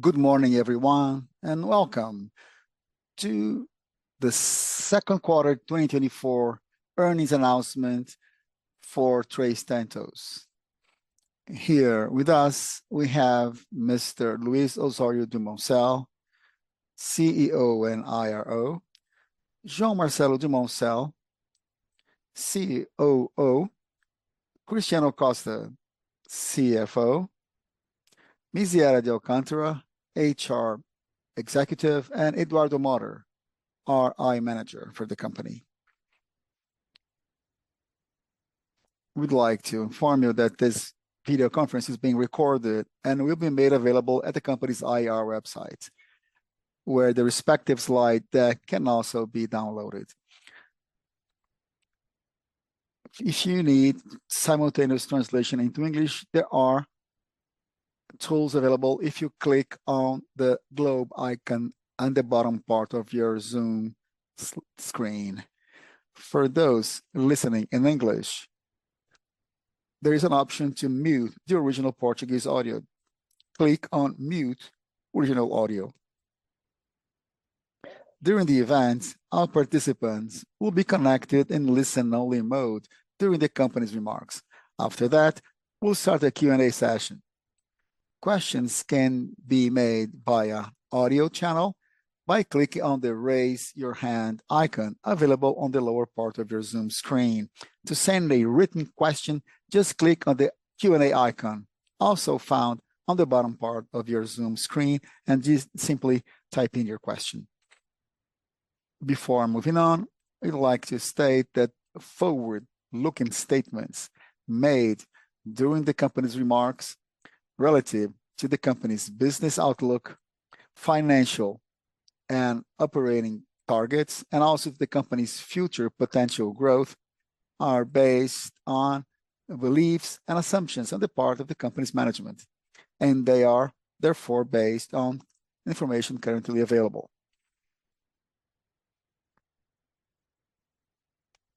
Good morning, everyone, and welcome to the second quarter 2024 earnings announcement for Três Tentos. Here with us, we have Mr. Luiz Osório Dumoncel, CEO and IRO, João Marcelo Dumoncel, COO, Cristiano Costa, CFO, Miziara de Alcântara, HR Executive, and Eduardo Mota, IR Manager for the company. We'd like to inform you that this video conference is being recorded and will be made available at the company's IR website, where the respective slide deck can also be downloaded. If you need simultaneous translation into English, there are tools available if you click on the globe icon on the bottom part of your Zoom screen. For those listening in English, there is an option to mute the original Portuguese audio. Click on Mute Original Audio. During the event, our participants will be connected in listen-only mode during the company's remarks. After that, we'll start a Q&A session. Questions can be made via audio channel by clicking on the Raise Your Hand icon available on the lower part of your Zoom screen. To send a written question, just click on the Q&A icon, also found on the bottom part of your Zoom screen, and just simply type in your question. Before moving on, I'd like to state that forward-looking statements made during the company's remarks relative to the company's business outlook, financial and operating targets, and also the company's future potential growth, are based on beliefs and assumptions on the part of the company's management, and they are therefore based on information currently available.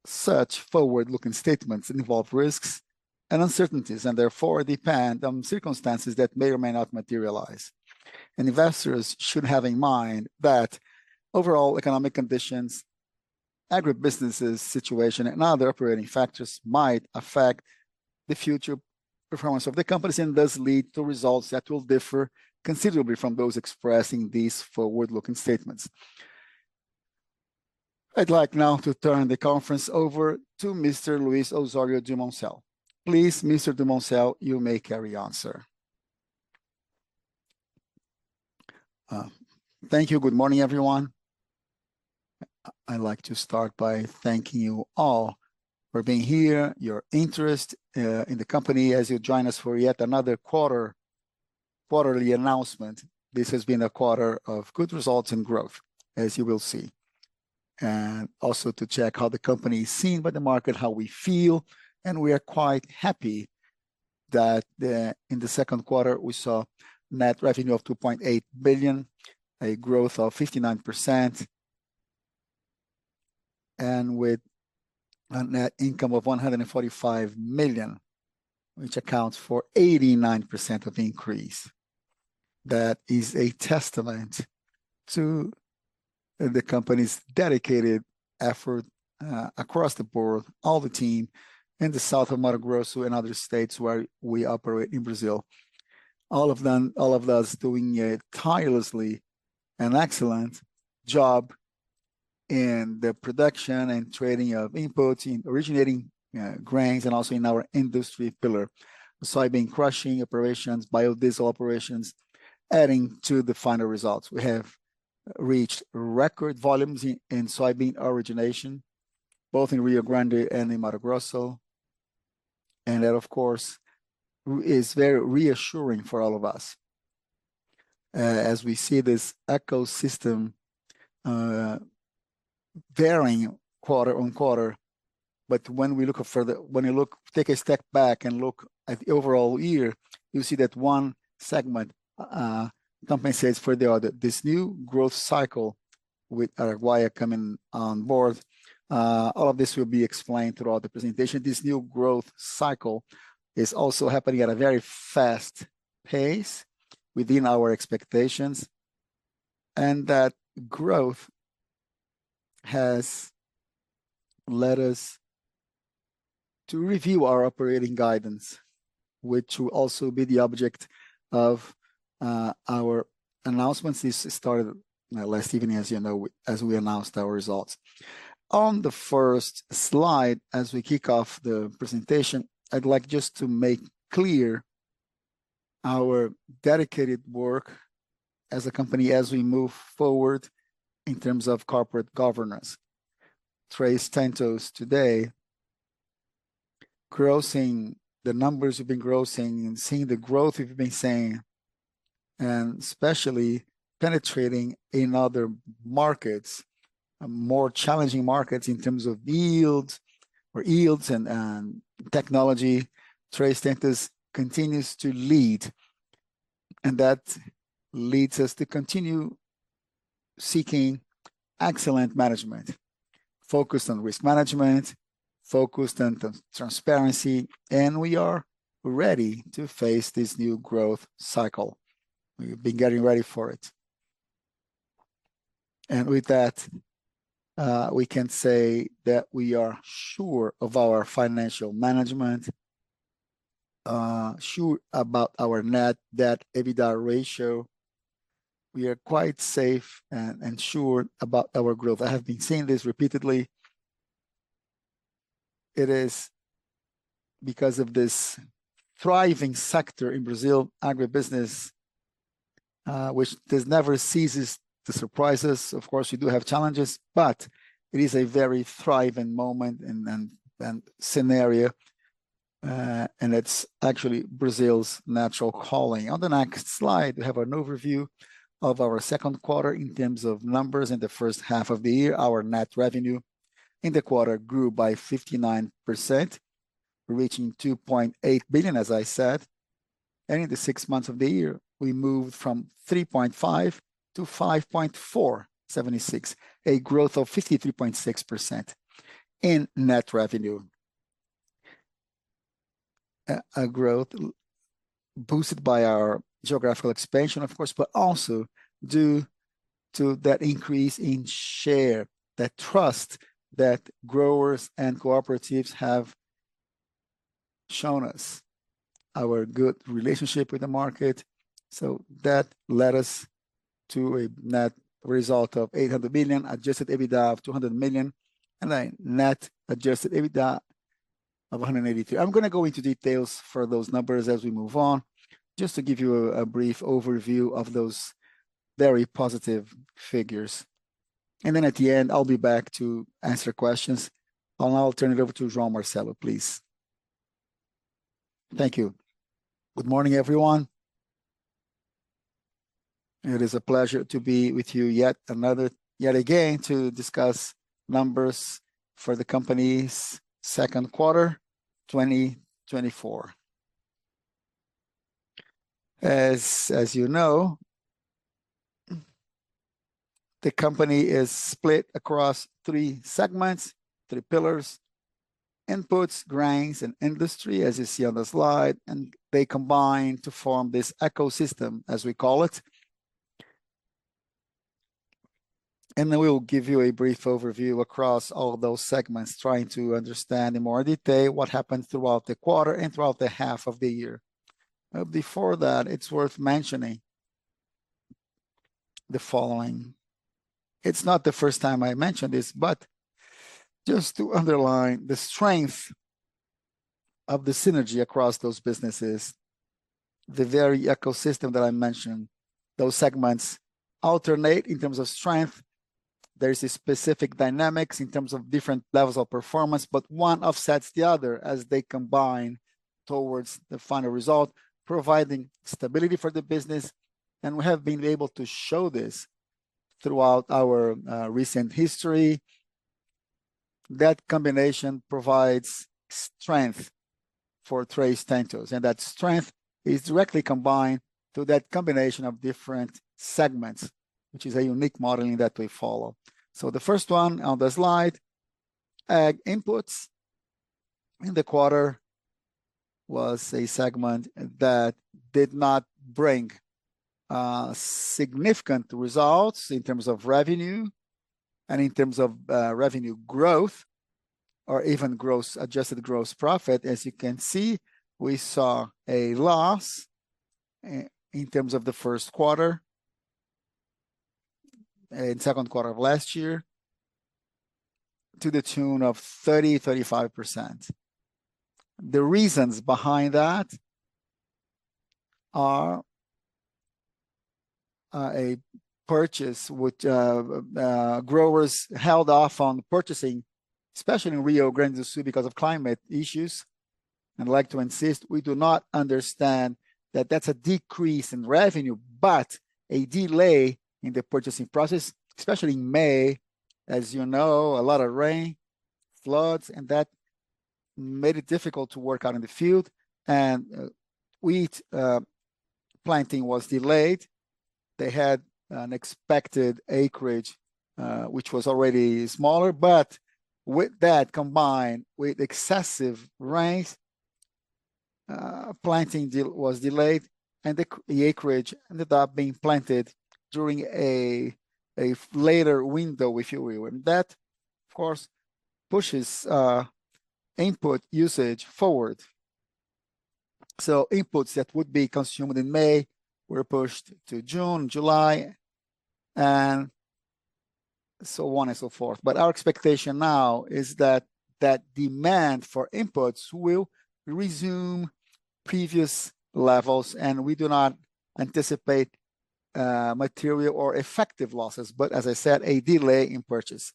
Such forward-looking statements involve risks and uncertainties, and therefore depend on circumstances that may or may not materialize. Investors should have in mind that overall economic conditions, agribusinesses' situation, and other operating factors might affect the future performance of the company and does lead to results that will differ considerably from those expressing these forward-looking statements. I'd like now to turn the conference over to Mr. Luiz Osório Dumoncel. Please, Mr. Dumoncel, you may carry on, sir. Thank you. Good morning, everyone. I'd like to start by thanking you all for being here, your interest in the company as you join us for yet another quarterly announcement. This has been a quarter of good results and growth, as you will see, and also to check how the company is seen by the market, how we feel, and we are quite happy that, in the second quarter, we saw net revenue of 2.8 billion, a growth of 59%, and with a net income of 145 million, which accounts for 89% of the increase. That is a testament to the company's dedicated effort, across the board, all the team in the South of Mato Grosso and other states where we operate in Brazil. All of us doing a tirelessly an excellent job in the production and trading of inputs, in originating, grains, and also in our industry pillar, soybean crushing operations, biodiesel operations, adding to the final results. We have reached record volumes in soybean origination, both in Rio Grande and in Mato Grosso, and that, of course, is very reassuring for all of us. As we see this ecosystem varying quarter on quarter, but when we look further, when you look, take a step back and look at the overall year, you see that one segment compensates for the other. This new growth cycle, with Araguaia coming on board, all of this will be explained throughout the presentation. This new growth cycle is also happening at a very fast pace, within our expectations, and that growth has led us to review our operating guidance, which will also be the object of our announcements. This started last evening, as you know, as we announced our results. On the first slide, as we kick off the presentation, I'd like just to make clear our dedicated work as a company as we move forward in terms of corporate governance. Três Tentos today, crossing the numbers we've been crossing and seeing the growth we've been seeing, and especially penetrating in other markets, more challenging markets in terms of yields or yields and, and technology, Três Tentos continues to lead, and that leads us to continue seeking excellent management, focused on risk management, focused on transparency, and we are ready to face this new growth cycle. We've been getting ready for it. And with that, we can say that we are sure of our financial management, sure about our net-debt-EBITDA ratio. We are quite safe and sure about our growth. I have been saying this repeatedly, it is because of this thriving sector in Brazil, agribusiness, which this never ceases to surprise us. Of course, we do have challenges, but it is a very thriving moment and scenario, and it's actually Brazil's natural calling. On the next slide, we have an overview of our second quarter in terms of numbers. In the first half of the year, our net revenue in the quarter grew by 59%, reaching 2.8 billion, as I said. In the six months of the year, we moved from 3.5 billion-5.476 billion, a growth of 53.6% in net revenue. A growth boosted by our geographical expansion, of course, but also due to that increase in share, that trust that growers and cooperatives have shown us, our good relationship with the market. So that led us to a net result of 800 billion, adjusted EBITDA of 200 million, and a net adjusted EBITDA of 183 million. I'm gonna go into details for those numbers as we move on, just to give you a brief overview of those very positive figures. Then at the end, I'll be back to answer questions. Now I'll turn it over to João Marcelo, please. Thank you. Good morning, everyone. It is a pleasure to be with you yet again to discuss numbers for the company's second quarter 2024. As, as you know, the company is split across three segments, three pillars: inputs, grains, and industry, as you see on the slide, and they combine to form this ecosystem, as we call it. And then we will give you a brief overview across all those segments, trying to understand in more detail what happened throughout the quarter and throughout the half of the year. But before that, it's worth mentioning the following. It's not the first time I mentioned this, but just to underline the strength of the synergy across those businesses, the very ecosystem that I mentioned, those segments alternate in terms of strength. There's a specific dynamics in terms of different levels of performance, but one offsets the other as they combine towards the final result, providing stability for the business, and we have been able to show this throughout our recent history. That combination provides strength for Três Tentos, and that strength is directly combined to that combination of different segments, which is a unique modeling that we follow. So the first one on the slide, ag inputs. In the quarter, was a segment that did not bring significant results in terms of revenue and in terms of revenue growth or even adjusted gross profit. As you can see, we saw a loss in terms of the first quarter and second quarter of last year, to the tune of 30%-35%. The reasons behind that are a purchase which growers held off on purchasing, especially in Rio Grande do Sul, because of climate issues. I'd like to insist, we do not understand that that's a decrease in revenue, but a delay in the purchasing process, especially in May. As you know, a lot of rain, floods, and that made it difficult to work out in the field. Wheat planting was delayed. They had an expected acreage, which was already smaller, but with that, combined with excessive rains, planting was delayed, and the acreage ended up being planted during a later window, if you will. And that, of course, pushes input usage forward. So inputs that would be consumed in May were pushed to June, July, and so on and so forth. But our expectation now is that demand for inputs will resume previous levels, and we do not anticipate material or effective losses, but as I said, a delay in purchase.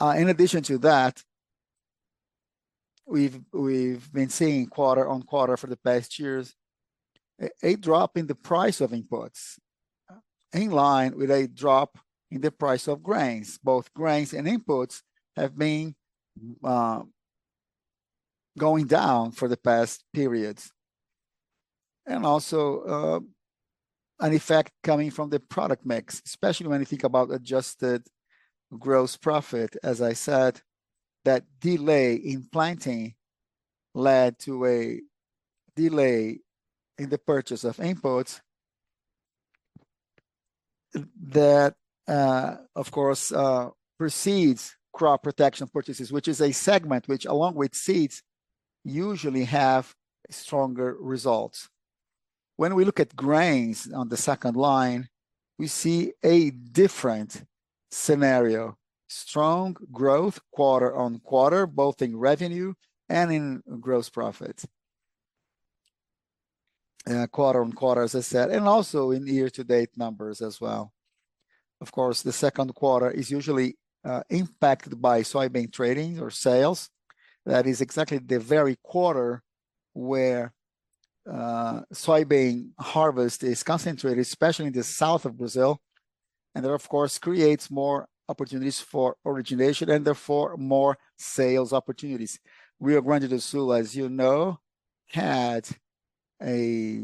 In addition to that, we've been seeing quarter-on-quarter for the past years, a drop in the price of inputs in line with a drop in the price of grains. Both grains and inputs have been going down for the past periods. Also, an effect coming from the product mix, especially when you think about adjusted gross profit. As I said, that delay in planting led to a delay in the purchase of inputs that, of course, precedes crop protection purchases, which is a segment which, along with seeds, usually have stronger results. When we look at grains on the second line, we see a different scenario: strong growth quarter-on-quarter, both in revenue and in gross profit. Quarter-on-quarter, as I said, and also in year-to-date numbers as well. Of course, the second quarter is usually impacted by soybean trading or sales. That is exactly the very quarter where soybean harvest is concentrated, especially in the south of Brazil, and that, of course, creates more opportunities for origination and therefore more sales opportunities. Rio Grande do Sul, as you know, had a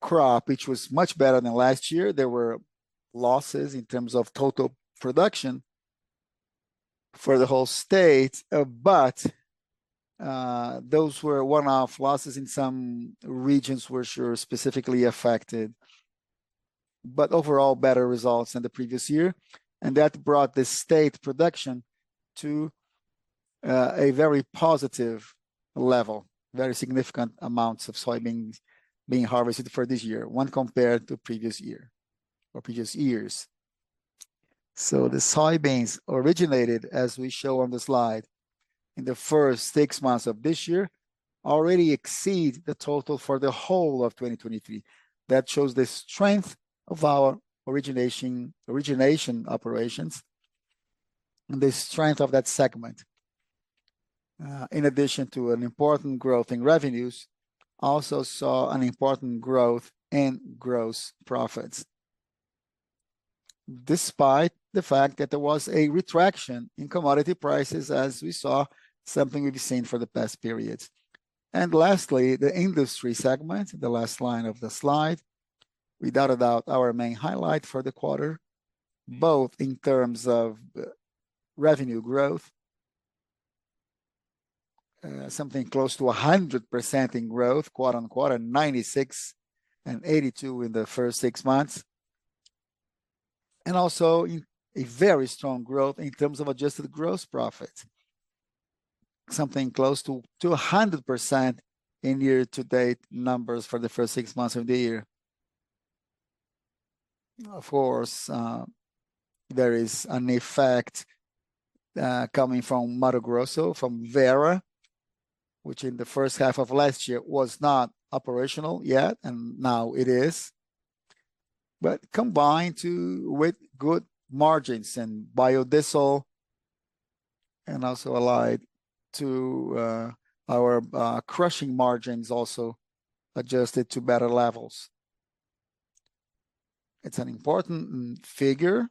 crop which was much better than last year. There were losses in terms of total production for the whole state, but those were one-off losses in some regions which were specifically affected. But overall, better results than the previous year, and that brought the state production to a very positive level, very significant amounts of soybeans being harvested for this year, when compared to previous year or previous years. So the soybeans originated, as we show on the slide, in the first six months of this year, already exceed the total for the whole of 2023. That shows the strength of our origination, origination operations and the strength of that segment. In addition to an important growth in revenues, also saw an important growth in gross profits, despite the fact that there was a retraction in commodity prices, as we saw, something we've been seeing for the past periods. And lastly, the industry segment, the last line of the slide, without a doubt, our main highlight for the quarter, both in terms of revenue growth... something close to 100% in growth, quarter-on-quarter, 96% and 82% in the first six months. Also in a very strong growth in terms of adjusted gross profit, something close to 200% in year-to-date numbers for the first six months of the year. Of course, there is an effect coming from Mato Grosso, from Vera, which in the first half of last year was not operational yet, and now it is. But combined with good margins and biodiesel, and also allied to our crushing margins, also adjusted to better levels. It's an important figure,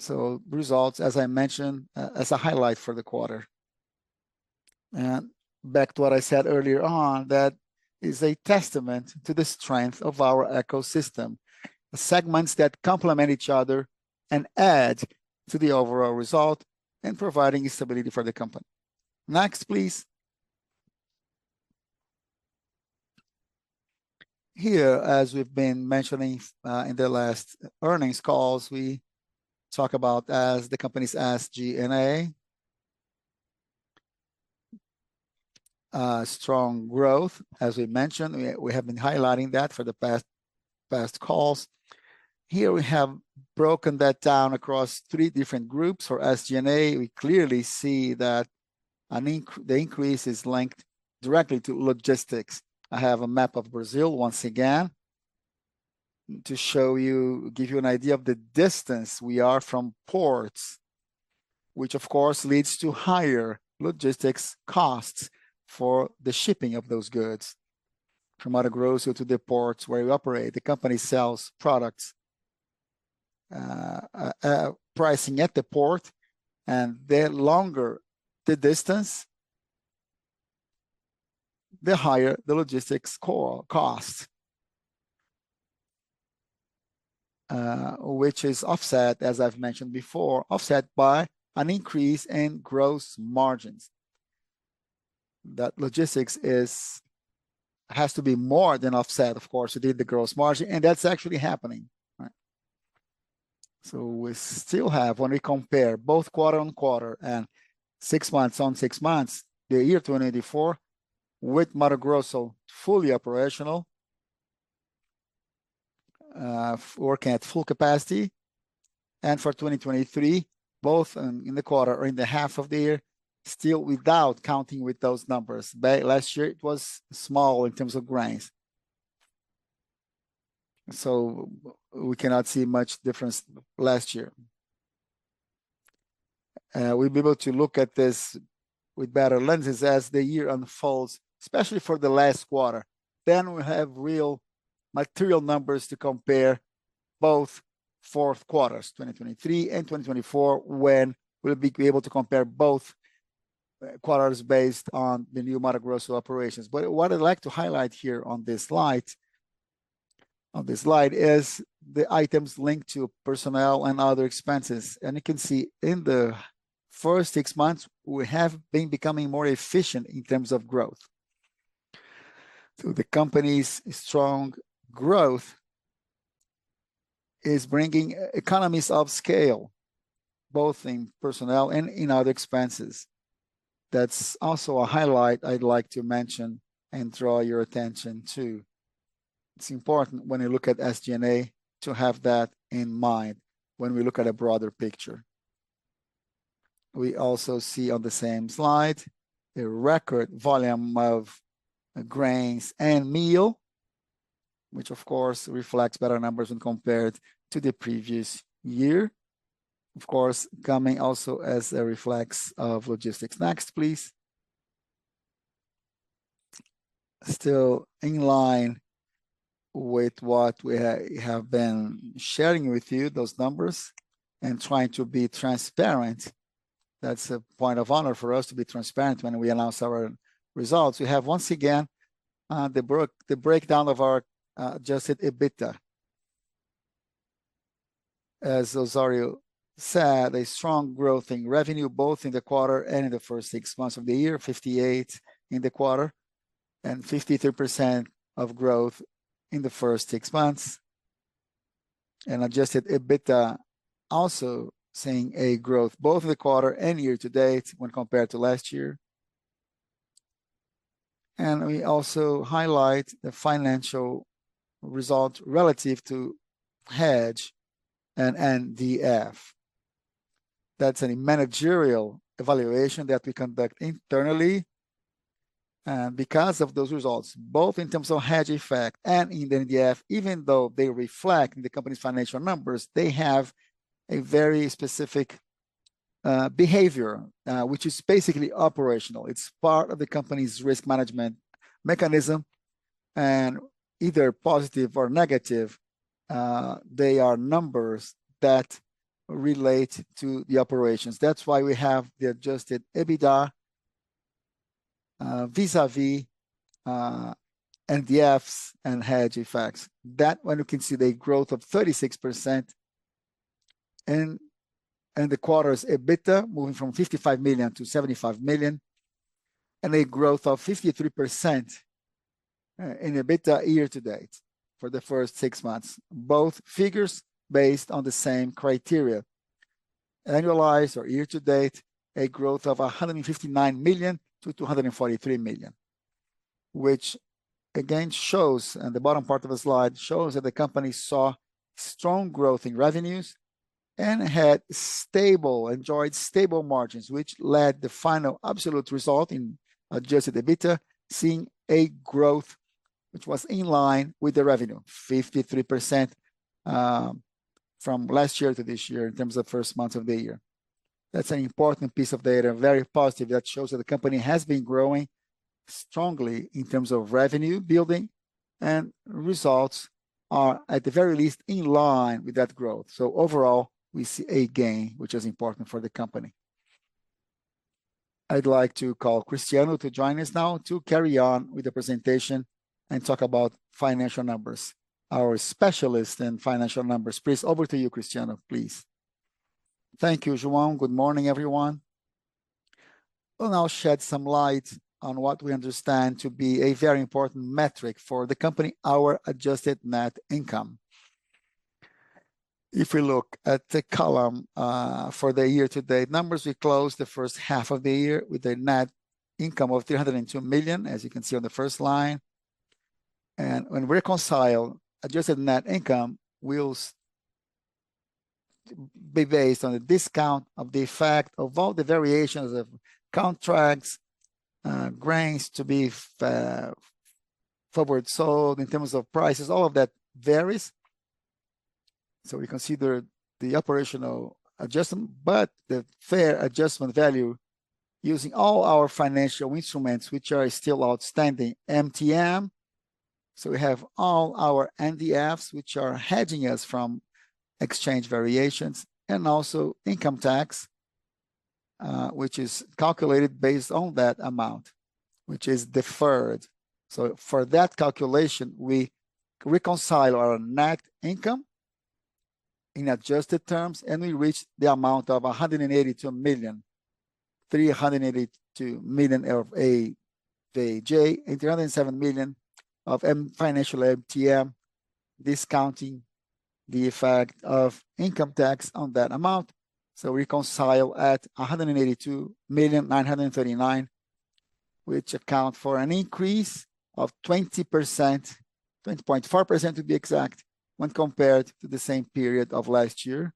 so results, as I mentioned, as a highlight for the quarter. Back to what I said earlier on, that is a testament to the strength of our ecosystem, the segments that complement each other and add to the overall result, and providing stability for the company. Next, please. Here, as we've been mentioning, in the last earnings calls, we talk about as the company's SG&A. Strong growth, as we mentioned, we have been highlighting that for the past, past calls. Here we have broken that down across three different groups. For SG&A, we clearly see that the increase is linked directly to logistics. I have a map of Brazil once again to show you, give you an idea of the distance we are from ports, which of course leads to higher logistics costs for the shipping of those goods from Mato Grosso to the ports where we operate. The company sells products, pricing at the port, and the longer the distance, the higher the logistics cost. Which is offset, as I've mentioned before, offset by an increase in gross margins. That logistics is... has to be more than offset, of course, to hit the gross margin, and that's actually happening, right? So we still have, when we compare both quarter-on-quarter and six months on six months, the year 2024, with Mato Grosso fully operational, working at full capacity, and for 2023, both, in the quarter or in the half of the year, still without counting with those numbers. Last year it was small in terms of grains, so we cannot see much difference last year. We'll be able to look at this with better lenses as the year unfolds, especially for the last quarter. Then we'll have real material numbers to compare both fourth quarters, 2023 and 2024, when we'll be able to compare both quarters based on the new Mato Grosso operations. But what I'd like to highlight here on this slide, on this slide, is the items linked to personnel and other expenses. You can see in the first six months, we have been becoming more efficient in terms of growth. The company's strong growth is bringing economies of scale, both in personnel and in other expenses. That's also a highlight I'd like to mention and draw your attention to. It's important when you look at SG&A to have that in mind when we look at a broader picture. We also see on the same slide, the record volume of grains and meal, which of course reflects better numbers when compared to the previous year. Of course, coming also as a reflection of logistics. Next, please. Still in line with what we have been sharing with you, those numbers, and trying to be transparent. That's a point of honor for us, to be transparent when we announce our results. We have, once again, the breakdown of our adjusted EBITDA. As Osório said, a strong growth in revenue, both in the quarter and in the first six months of the year, 58% in the quarter and 53% growth in the first six months. And adjusted EBITDA also seeing a growth, both in the quarter and year-to-date when compared to last year. And we also highlight the financial results relative to hedge and NDF. That's a managerial evaluation that we conduct internally. And because of those results, both in terms of hedge effect and in the NDF, even though they reflect the company's financial numbers, they have a very specific behavior, which is basically operational. It's part of the company's risk management mechanism, and either positive or negative, they are numbers that relate to the operations. That's why we have the adjusted EBITDA, vis-à-vis, NDFs and hedge effects. That one, you can see the growth of 36% in the quarter's EBITDA, moving from 55 million-75 million, and a growth of 53%, in EBITDA year-to-date for the first six months. Both figures based on the same criteria. Annualized or year-to-date, a growth of 159 million-243 million, which again shows... The bottom part of the slide shows that the company saw strong growth in revenues and had stable, enjoyed stable margins, which led the final absolute result in adjusted EBITDA, seeing a growth which was in line with the revenue, 53%, from last year to this year in terms of first months of the year. That's an important piece of data, very positive, that shows that the company has been growing strongly in terms of revenue building, and results are, at the very least, in line with that growth. So overall, we see a gain, which is important for the company. I'd like to call Cristiano to join us now to carry on with the presentation and talk about financial numbers. Our specialist in financial numbers. Please, over to you, Cristiano, please. Thank you, João. Good morning, everyone. We'll now shed some light on what we understand to be a very important metric for the company, our adjusted net income. If we look at the column for the year-to-date numbers, we closed the first half of the year with a net income of 302 million, as you can see on the first line. And when reconciled, adjusted net income will be based on the discount of the effect of all the variations of contracts, grains to be forward sold in terms of prices, all of that varies. So we consider the operational adjustment, but the fair adjustment value using all our financial instruments, which are still outstanding. MTM, so we have all our NDFs, which are hedging us from exchange variations, and also income tax, which is calculated based on that amount, which is deferred. So for that calculation, we reconcile our net income in adjusted terms, and we reach the amount of 182 million, 382 million of AVJ, and 307 million of financial MTM, discounting the effect of income tax on that amount. So reconcile at 182 million, [939 million], which account for an increase of 20%, 20.4% to be exact, when compared to the same period of last year,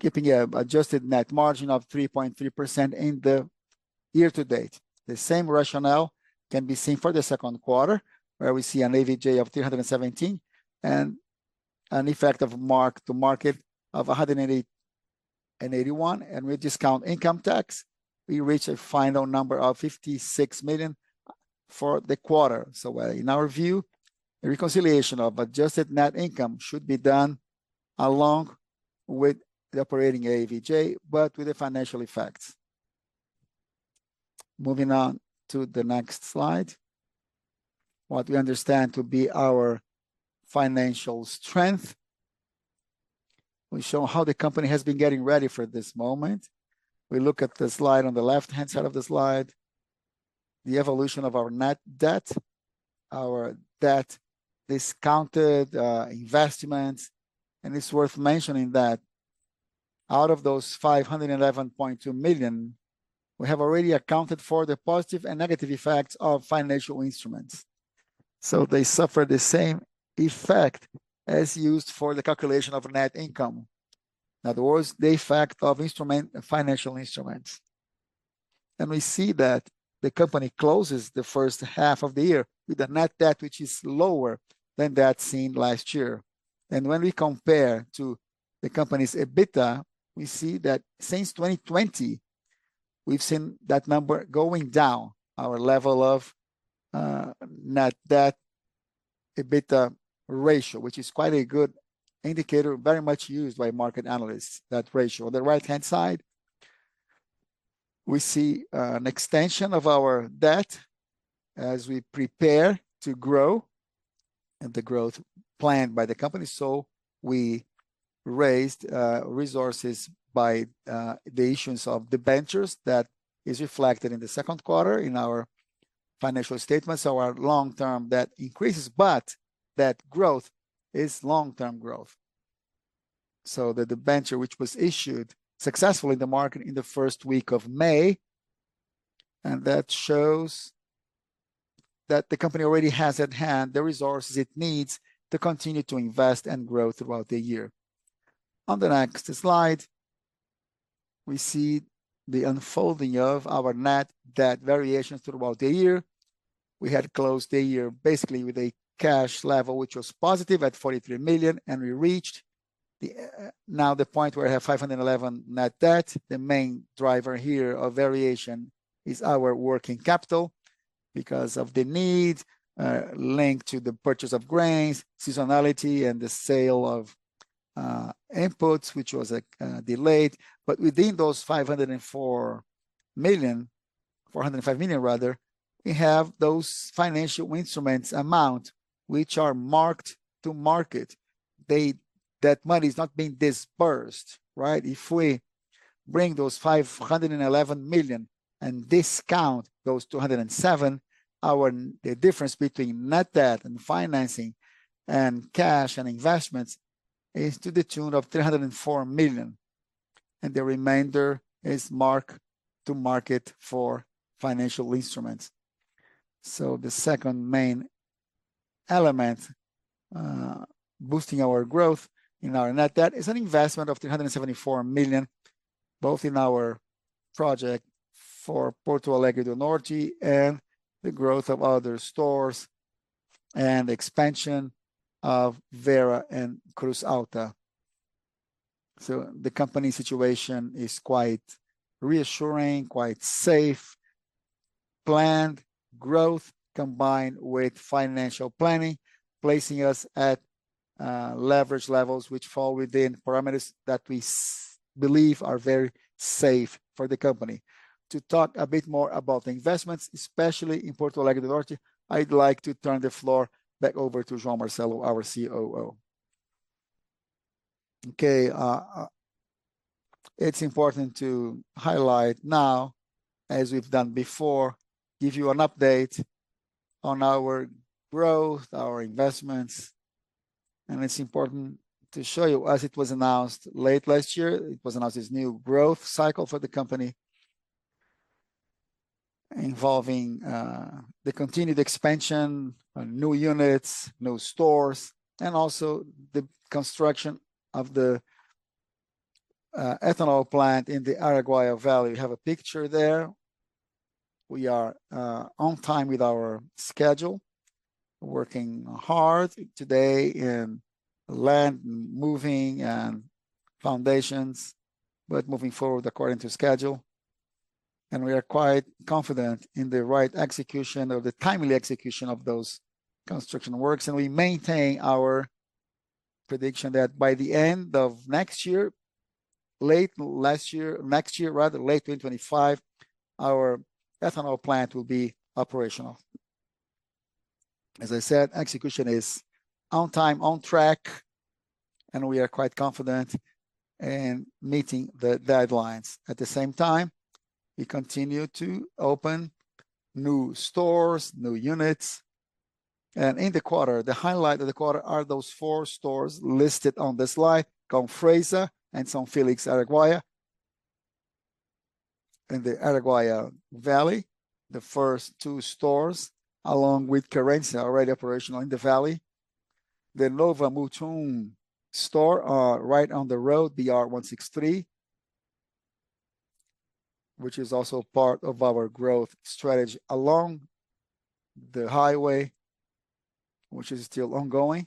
keeping an adjusted net margin of 3.3% in the year-to-date. The same rationale can be seen for the second quarter, where we see an AVJ of 317, and an effect of mark-to-market of 181, and we discount income tax, we reach a final number of 56 million for the quarter. In our view, the reconciliation of adjusted net income should be done along with the operating AVJ, but with the financial effects. Moving on to the next slide, what we understand to be our financial strength, we show how the company has been getting ready for this moment. We look at the slide on the left-hand side of the slide, the evolution of our net debt, our debt discounted, investments. It's worth mentioning that out of those 511.2 million, we have already accounted for the positive and negative effects of financial instruments, so they suffer the same effect as used for the calculation of net income. In other words, the effect of instrument, financial instruments. We see that the company closes the first half of the year with a net debt, which is lower than that seen last year. When we compare to the company's EBITDA, we see that since 2020, we've seen that number going down, our level of net debt/EBITDA ratio, which is quite a good indicator, very much used by market analysts, that ratio. On the right-hand side, we see an extension of our debt as we prepare to grow and the growth planned by the company. We raised resources by the issuance of debentures that is reflected in the second quarter in our financial statements. Our long-term debt increases, but that growth is long-term growth. The debenture, which was issued successfully in the market in the first week of May, and that shows that the company already has at hand the resources it needs to continue to invest and grow throughout the year. On the next slide, we see the unfolding of our net debt variations throughout the year. We had closed the year basically with a cash level, which was positive at 43 million, and we reached the now the point where we have 511 million net debt. The main driver here of variation is our working capital because of the needs linked to the purchase of grains, seasonality, and the sale of inputs, which was delayed. But within those 504 million, 405 million rather, we have those financial instruments amount, which are marked to market. They... that money is not being dispersed, right? If we bring those 511 million and discount those 207 million, the difference between net debt and financing and cash and investments is to the tune of 304 million, and the remainder is marked to market for financial instruments. So the second main element boosting our growth in our net debt is an investment of 374 million, both in our project for Porto Alegre do Norte and the growth of other stores and the expansion of Vera and Cruz Alta. So the company situation is quite reassuring, quite safe. Planned growth combined with financial planning, placing us at leverage levels which fall within parameters that we believe are very safe for the company. To talk a bit more about the investments, especially in Porto Alegre do Norte, I'd like to turn the floor back over to João Marcelo, our COO. Okay, it's important to highlight now, as we've done before, give you an update on our growth, our investments. It's important to show you, as it was announced late last year, it was announced this new growth cycle for the company, involving the continued expansion, new units, new stores, and also the construction of the ethanol plant in the Araguaia Valley. We have a picture there. We are on time with our schedule, working hard today in land moving and foundations, but moving forward according to schedule. We are quite confident in the right execution or the timely execution of those construction works. And we maintain our prediction that by the end of next year, late last year, next year rather, late 2025, our ethanol plant will be operational. As I said, execution is on time, on track, and we are quite confident in meeting the deadlines. At the same time, we continue to open new stores, new units. And in the quarter, the highlight of the quarter are those four stores listed on this slide: Confresa and São Félix do Araguaia. In the Araguaia Valley, the first two stores, along with Querência, already operational in the valley. The Nova Mutum store are right on the road, the BR-163. Which is also part of our growth strategy along the highway, which is still ongoing,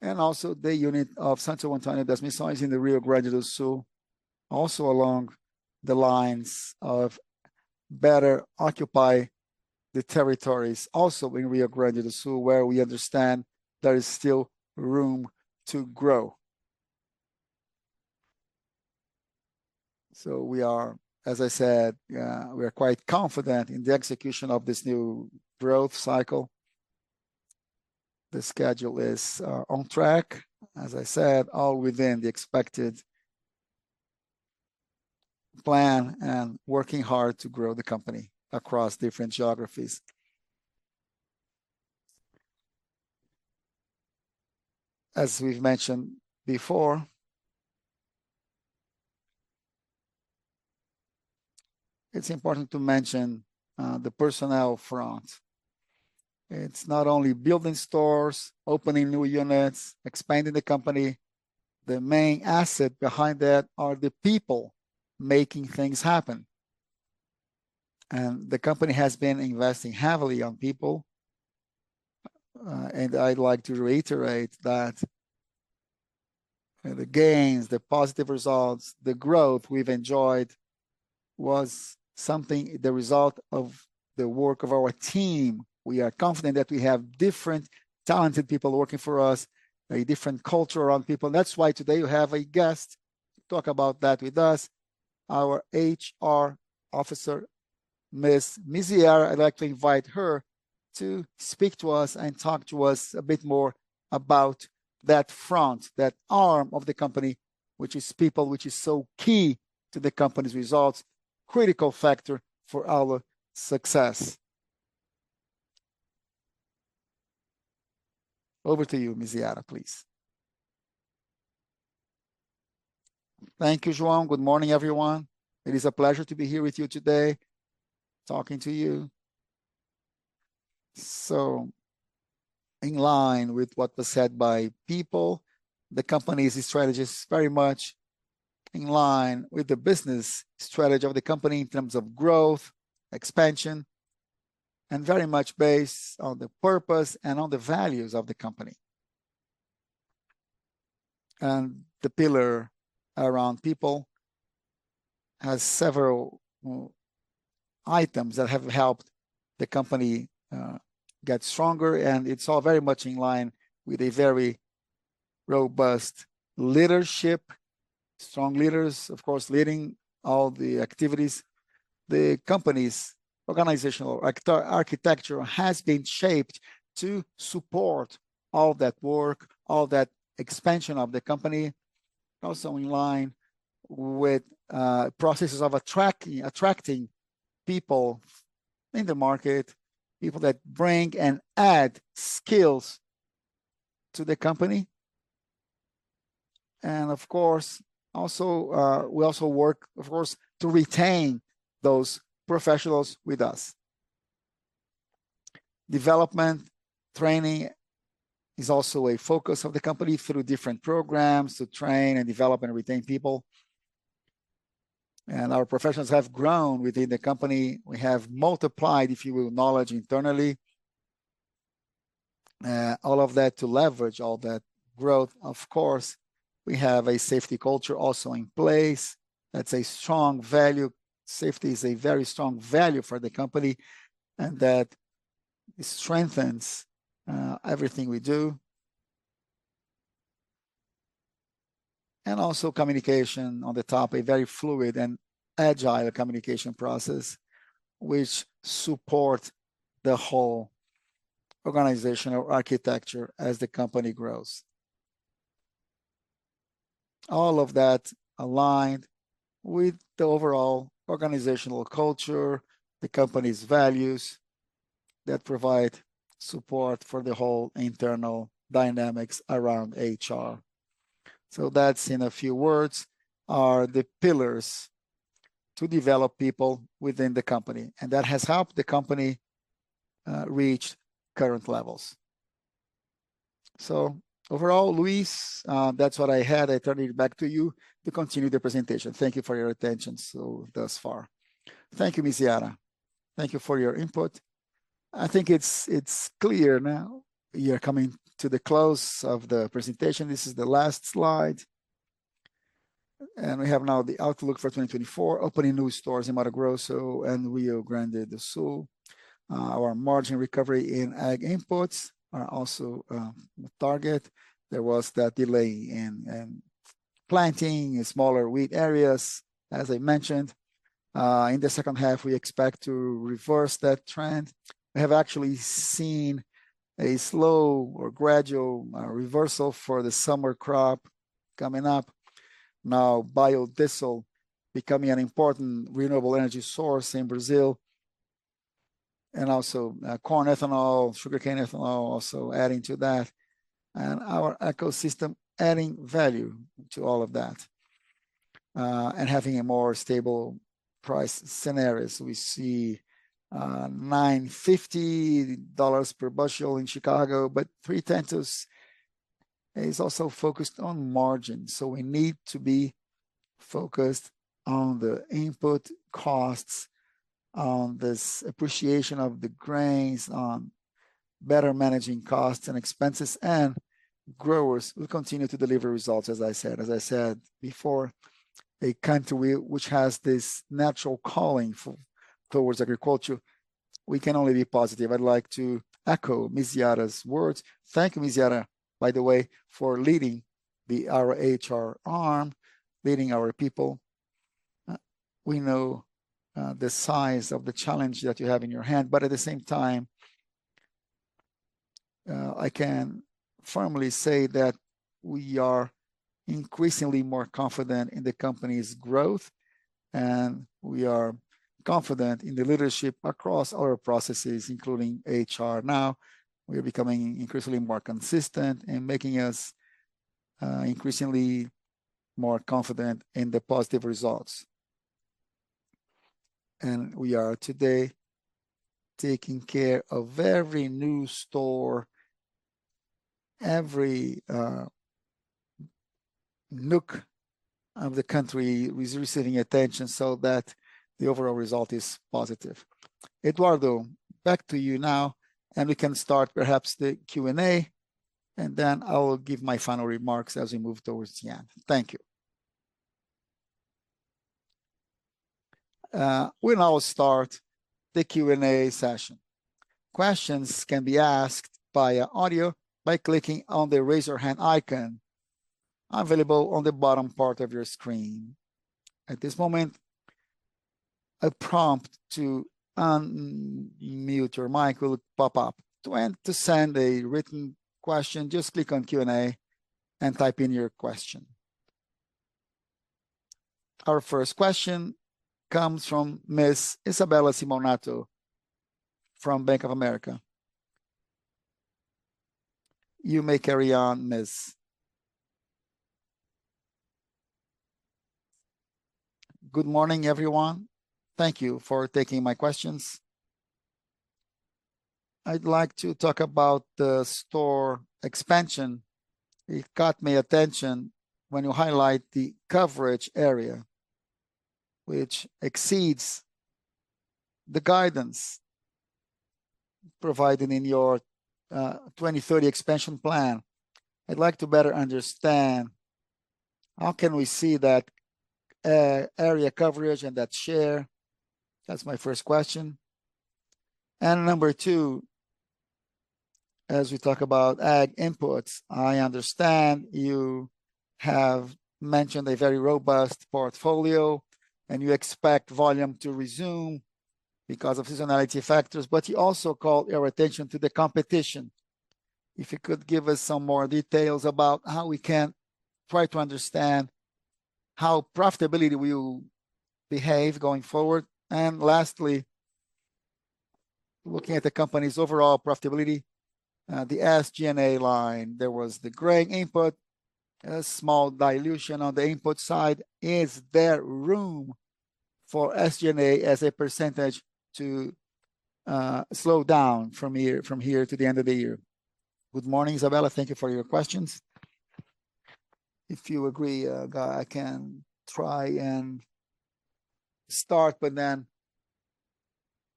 and also the unit of Santo Antônio das Missões in the Rio Grande do Sul, also along the lines of better occupy the territories, also in Rio Grande do Sul, where we understand there is still room to grow. So we are, as I said, we are quite confident in the execution of this new growth cycle. The schedule is, on track, as I said, all within the expected plan, and working hard to grow the company across different geographies. As we've mentioned before, it's important to mention, the personnel front. It's not only building stores, opening new units, expanding the company, the main asset behind that are the people making things happen. The company has been investing heavily on people. I'd like to reiterate that, the gains, the positive results, the growth we've enjoyed was something, the result of the work of our team. We are confident that we have different talented people working for us, a different culture around people. That's why today we have a guest to talk about that with us, our HR officer, Ms. Miziara. I'd like to invite her to speak to us and talk to us a bit more about that front, that arm of the company, which is people, which is so key to the company's results, critical factor for our success. Over to you, Miziara, please. Thank you, João. Good morning, everyone. It is a pleasure to be here with you today, talking to you. So in line with what was said by people, the company's strategy is very much in line with the business strategy of the company in terms of growth, expansion, and very much based on the purpose and on the values of the company. The pillar around people has several items that have helped the company get stronger, and it's all very much in line with a very robust leadership. Strong leaders, of course, leading all the activities. The company's organizational architecture has been shaped to support all that work, all that expansion of the company. Also in line with processes of attracting people in the market, people that bring and add skills to the company. And of course, also, we also work, of course, to retain those professionals with us. Development, training is also a focus of the company through different programs to train and develop and retain people, and our professionals have grown within the company. We have multiplied, if you will, knowledge internally, all of that to leverage all that growth. Of course, we have a safety culture also in place. That's a strong value. Safety is a very strong value for the company, and that strengthens everything we do. And also communication on the top, a very fluid and agile communication process, which support the whole organizational architecture as the company grows. All of that aligned with the overall organizational culture, the company's values that provide support for the whole internal dynamics around HR. So that, in a few words, are the pillars to develop people within the company, and that has helped the company reach current levels. So overall, Luiz, that's what I had. I turn it back to you to continue the presentation. Thank you for your attention so thus far. Thank you, Miziara. Thank you for your input. I think it's clear now. We are coming to the close of the presentation. This is the last slide, and we have now the outlook for 2024, opening new stores in Mato Grosso and Rio Grande do Sul. Our margin recovery in ag inputs are also the target. There was that delay in planting in smaller wheat areas, as I mentioned. In the second half, we expect to reverse that trend. We have actually seen a slow or gradual reversal for the summer crop coming up. Now, biodiesel becoming an important renewable energy source in Brazil, and also, corn ethanol, sugarcane ethanol, also adding to that, and our ecosystem adding value to all of that, and having a more stable price scenario. So we see $9.50 per bushel in Chicago, but Três Tentos is also focused on margins, so we need to be focused on the input costs, on this appreciation of the grains, on better managing costs and expenses. And growers will continue to deliver results, as I said. As I said before, a country which has this natural calling towards agriculture, we can only be positive. I'd like to echo Miziara's words. Thank Miziara, by the way, for leading our HR arm, leading our people. We know the size of the challenge that you have in your hand, but at the same time, I can firmly say that we are increasingly more confident in the company's growth, and we are confident in the leadership across our processes, including HR. Now, we are becoming increasingly more consistent in making us increasingly more confident in the positive results. And we are today taking care of every new store, every nook of the country is receiving attention so that the overall result is positive. Eduardo, back to you now, and we can start perhaps the Q&A, and then I will give my final remarks as we move towards the end. Thank you. We'll now start the Q&A session. Questions can be asked via audio by clicking on the Raise Your Hand icon available on the bottom part of your screen. At this moment, a prompt to unmute your mic will pop up. To send a written question, just click on Q&A and type in your question. Our first question comes from Miss Isabella Simonato from Bank of America. You may carry on, miss. Good morning, everyone. Thank you for taking my questions. I'd like to talk about the store expansion. It caught my attention when you highlight the coverage area, which exceeds the guidance provided in your 2030 expansion plan. I'd like to better understand, how can we see that area coverage and that share? That's my first question. And number two, as we talk about ag inputs, I understand you have mentioned a very robust portfolio, and you expect volume to resume because of seasonality factors, but you also called our attention to the competition. If you could give us some more details about how we can try to understand how profitability will behave going forward. And lastly, looking at the company's overall profitability, the SG&A line, there was the grain input, a small dilution on the input side. Is there room for SG&A as a percentage to slow down from here, from here to the end of the year? Good morning, Isabella. Thank you for your questions. If you agree, I can try and start, but then...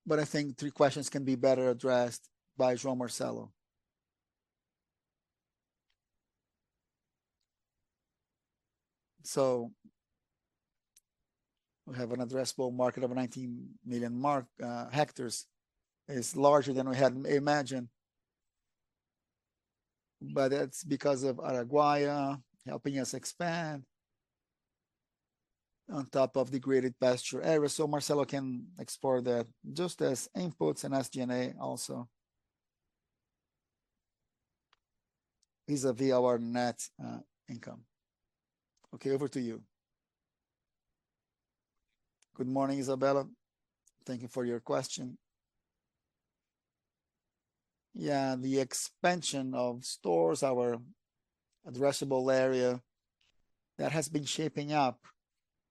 But I think three questions can be better addressed by João Marcelo. So we have an addressable market of 19 million hectares. It's larger than we had imagined, but it's because of Araguaia helping us expand on top of the graded pasture area. So Marcelo can explore that, just as inputs and SG&A also vis-a-vis our net income. Okay, over to you. Good morning, Isabella. Thank you for your question. Yeah, the expansion of stores, our addressable area, that has been shaping up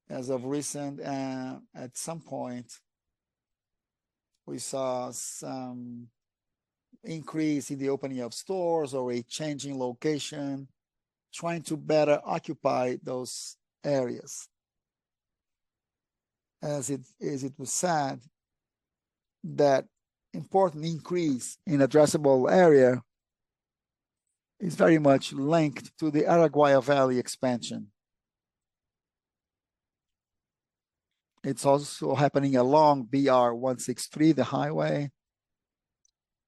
as of recent, and at some point, we saw some increase in the opening of stores or a change in location, trying to better occupy those areas. As it was said, that important increase in addressable area is very much linked to the Araguaia Valley expansion. It's also happening along BR-163, the highway,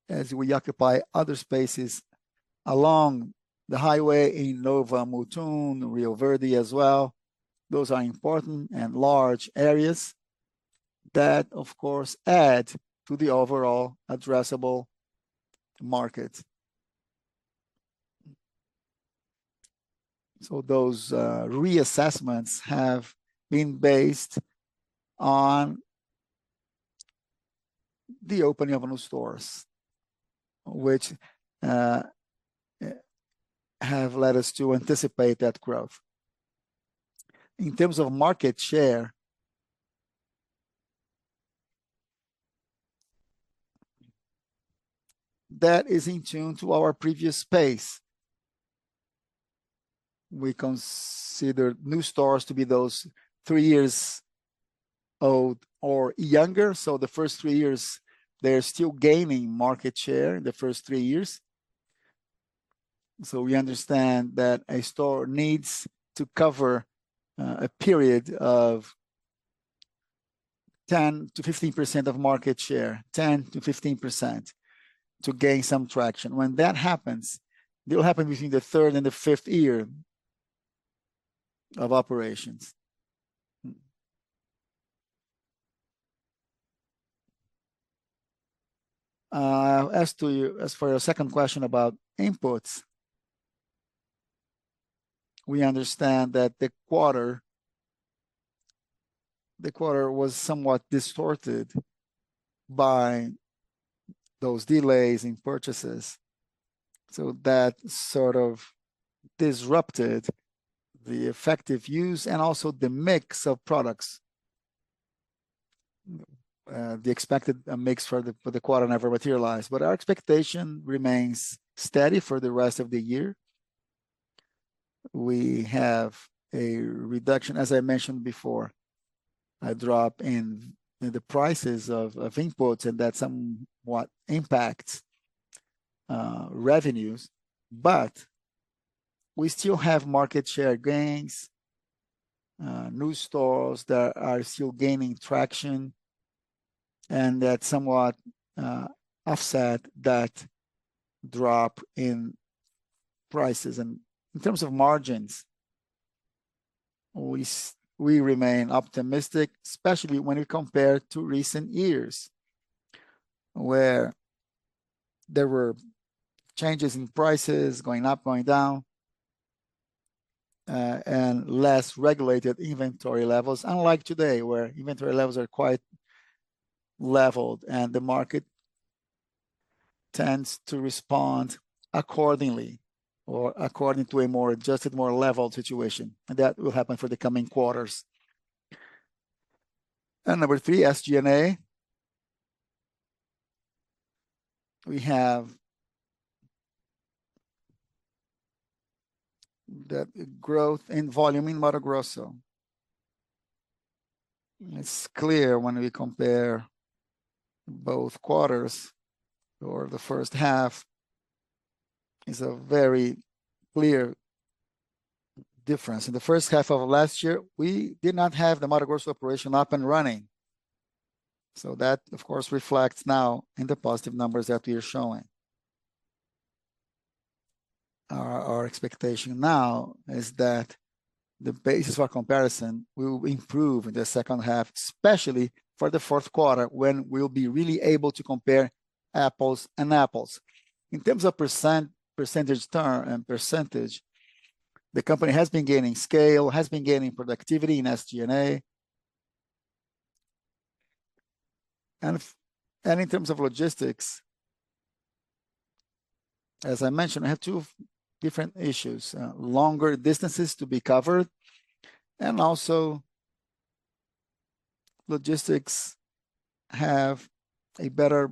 as we occupy other spaces along the highway in Nova Mutum, Rio Verde as well. Those are important and large areas that, of course, add to the overall addressable market. So those reassessments have been based on the opening of new stores, which have led us to anticipate that growth. In terms of market share... that is in tune to our previous pace. We consider new stores to be those three years old or younger, so the first three years they're still gaining market share, the first three years. So we understand that a store needs to cover a period of 10%-15% of market share, 10%-15%, to gain some traction. When that happens, it'll happen between the third and the fifth year of operations. As for your second question about inputs, we understand that the quarter, the quarter was somewhat distorted by those delays in purchases, so that sort of disrupted the effective use and also the mix of products. The expected mix for the quarter never materialized, but our expectation remains steady for the rest of the year. We have a reduction, as I mentioned before, a drop in, in the prices of, of imports, and that somewhat impacts revenues. But we still have market share gains, new stores that are still gaining traction, and that somewhat offset that drop in prices. And in terms of margins, we remain optimistic, especially when we compare to recent years, where there were changes in prices going up, going down, and less regulated inventory levels. Unlike today, where inventory levels are quite leveled, and the market tends to respond accordingly or according to a more adjusted, more leveled situation, and that will happen for the coming quarters. And number three, SG&A. We have the growth in volume in Mato Grosso. It's clear when we compare both quarters, or the first half is a very clear difference. In the first half of last year, we did not have the Mato Grosso operation up and running, so that, of course, reflects now in the positive numbers that we are showing. Our expectation now is that the basis for comparison will improve in the second half, especially for the fourth quarter, when we'll be really able to compare apples and apples. In terms of percent, percentage term and percentage, the company has been gaining scale, has been gaining productivity in SG&A. And in terms of logistics, as I mentioned, I have two different issues: longer distances to be covered, and also logistics have a better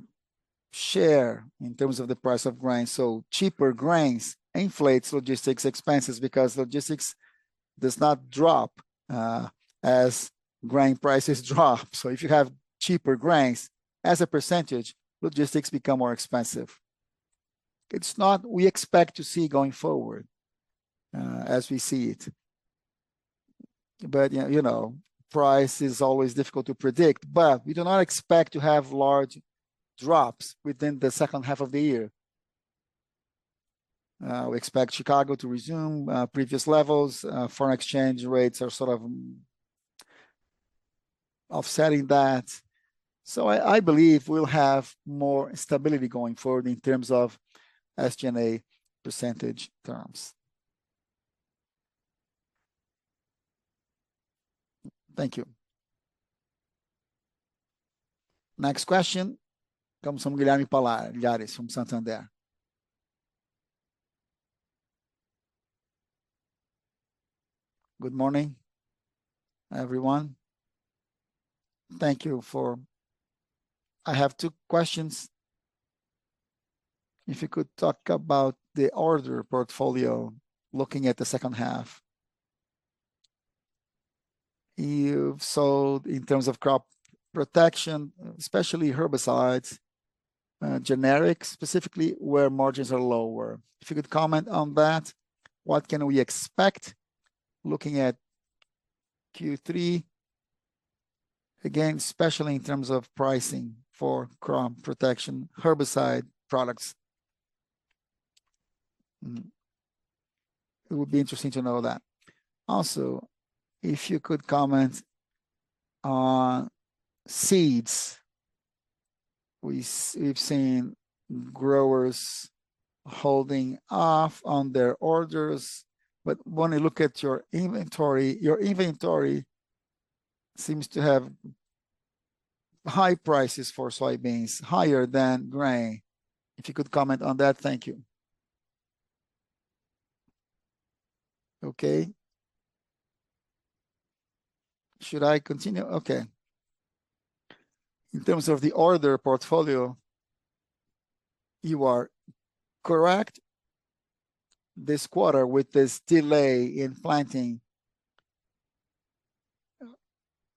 share in terms of the price of grain. So cheaper grains inflates logistics expenses because logistics does not drop, as grain prices drop. So if you have cheaper grains, as a percentage, logistics become more expensive. It's not we expect to see going forward, as we see it, but, you know, price is always difficult to predict. But we do not expect to have large drops within the second half of the year. We expect Chicago to resume previous levels. Foreign exchange rates are sort of offsetting that. So I, I believe we'll have more stability going forward in terms of SG&A percentage terms. Thank you. Next question comes from Guilherme Palhares from Santander. Good morning, everyone. Thank you for... I have two questions. If you could talk about the order portfolio, looking at the second half. You've sold in terms of crop protection, especially herbicides, generics, specifically where margins are lower. If you could comment on that, what can we expect looking at Q3? Again, especially in terms of pricing for crop protection, herbicide products. Mm. It would be interesting to know that. Also, if you could comment on seeds. We've seen growers holding off on their orders, but when I look at your inventory, your inventory seems to have high prices for soybeans, higher than grain. If you could comment on that, thank you. Okay. Should I continue? Okay. In terms of the order portfolio, you are correct. This quarter, with this delay in planting,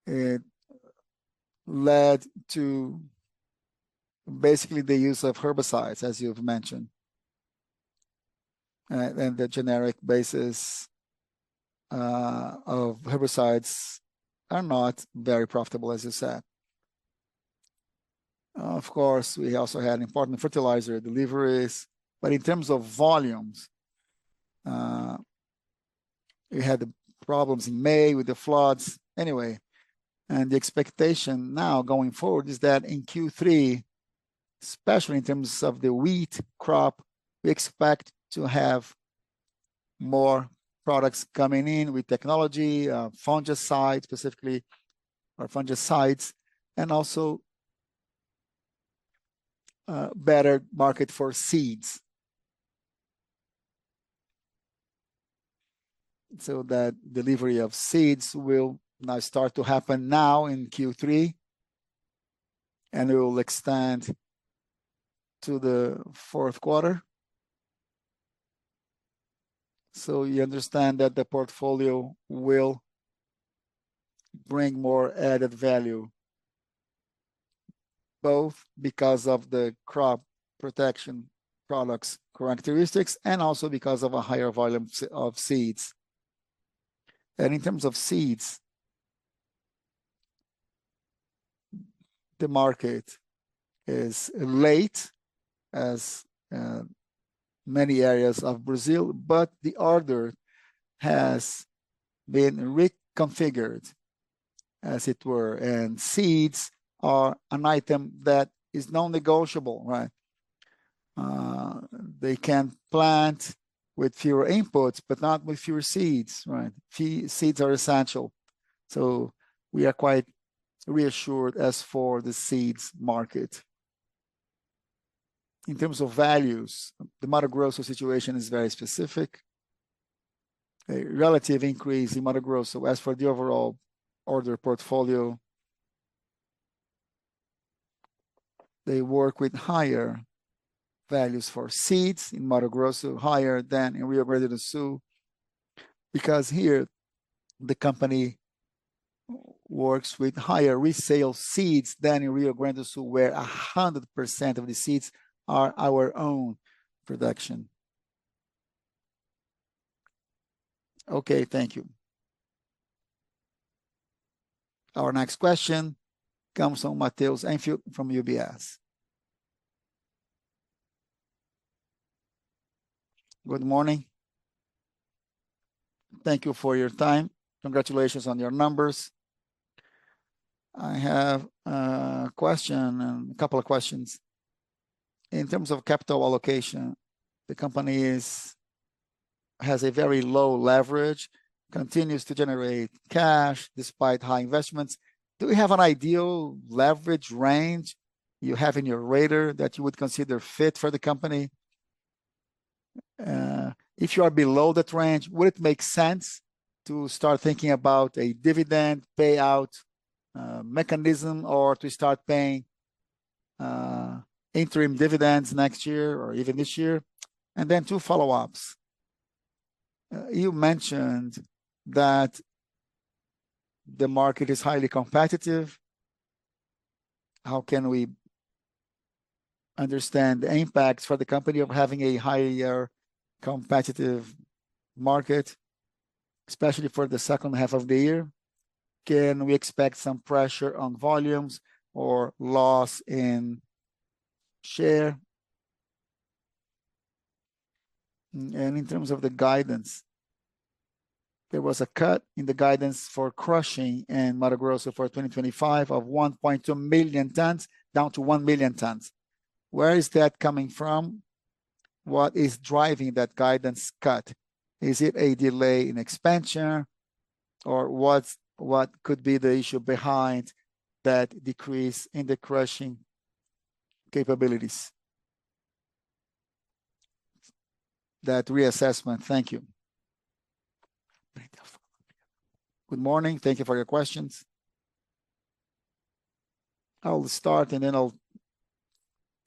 it led to basically the use of herbicides, as you've mentioned. And the generic basis of herbicides are not very profitable, as you said. Of course, we also had important fertilizer deliveries, but in terms of volumes, we had the problems in May with the floods. Anyway, and the expectation now going forward is that in Q3, especially in terms of the wheat crop, we expect to have more products coming in with technology, fungicides specifically, or fungicides, and also, better market for seeds. So that delivery of seeds will now start to happen now in Q3, and it will extend to the fourth quarter. So you understand that the portfolio will bring more added value, both because of the crop protection products characteristics and also because of a higher volume of seeds. And in terms of seeds, the market is late as many areas of Brazil, but the order has been reconfigured, as it were, and seeds are an item that is non-negotiable, right? They can plant with fewer inputs, but not with fewer seeds, right? Seeds are essential, so we are quite reassured as for the seeds market. In terms of values, the Mato Grosso situation is very specific. A relative increase in Mato Grosso as for the overall order portfolio. They work with higher values for seeds in Mato Grosso, higher than in Rio Grande do Sul, because here the company works with higher resale seeds than in Rio Grande do Sul, where 100% of the seeds are our own production. Okay, thank you. Our next question comes from Matheus Haemmerle from UBS. Good morning. Thank you for your time. Congratulations on your numbers. I have a question, a couple of questions. In terms of capital allocation, the company has a very low leverage, continues to generate cash despite high investments. Do we have an ideal leverage range you have in your radar that you would consider fit for the company? If you are below that range, would it make sense to start thinking about a dividend payout mechanism, or to start paying interim dividends next year or even this year? And then two follow-ups. You mentioned that the market is highly competitive. How can we understand the impacts for the company of having a higher competitive market, especially for the second half of the year? Can we expect some pressure on volumes or loss in share? And in terms of the guidance, there was a cut in the guidance for crushing in Mato Grosso for 2025 of 1.2 million tons, down to 1 million tons. Where is that coming from? What is driving that guidance cut? Is it a delay in expansion, or what could be the issue behind that decrease in the crushing capabilities, that reassessment? Thank you. Good morning. Thank you for your questions. I'll start, and then I'll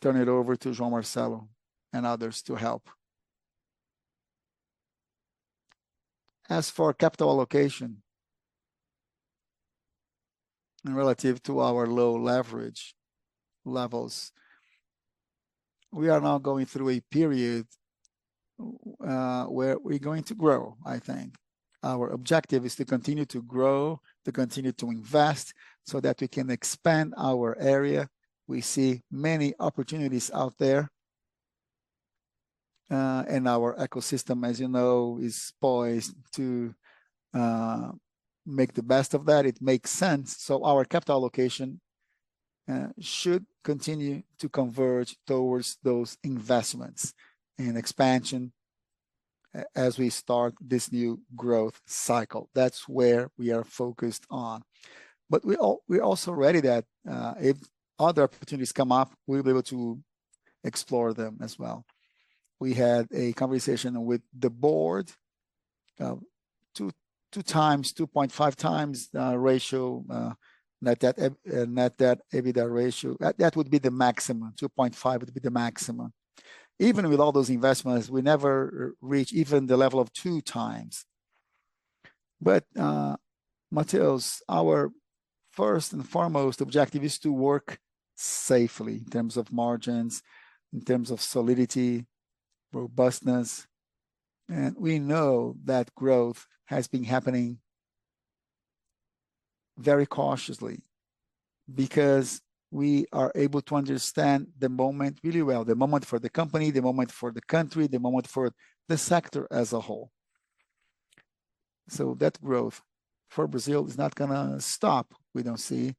turn it over to João Marcelo and others to help. As for capital allocation and relative to our low leverage levels, we are now going through a period where we're going to grow, I think. Our objective is to continue to grow, to continue to invest, so that we can expand our area. We see many opportunities out there, and our ecosystem, as you know, is poised to make the best of that. It makes sense, so our capital allocation should continue to converge towards those investments and expansion as we start this new growth cycle. That's where we are focused on. But we're also ready that, if other opportunities come up, we'll be able to explore them as well. We had a conversation with the board, 2x, 2x, 2.5x the ratio, net debt, net debt, EBITDA ratio. That, that would be the maximum, 2.5x would be the maximum. Even with all those investments, we never reach even the level of 2x. But, Matheus, our first and foremost objective is to work safely in terms of margins, in terms of solidity, robustness. And we know that growth has been happening very cautiously because we are able to understand the moment really well, the moment for the company, the moment for the country, the moment for the sector as a whole. So that growth for Brazil is not gonna stop. We don't see.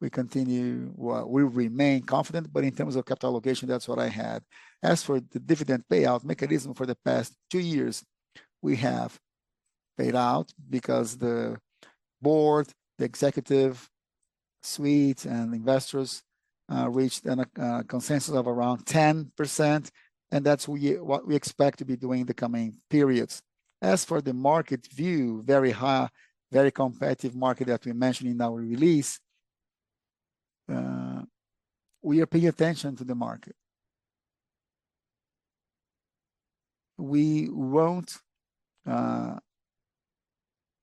We continue... well, we remain confident, but in terms of capital allocation, that's what I had. As for the dividend payout mechanism, for the past two years, we have paid out because the board, the executive suite, and investors reached a consensus of around 10%, and that's what we expect to be doing in the coming periods. As for the market view, very high, very competitive market that we mentioned in our release, we are paying attention to the market. We won't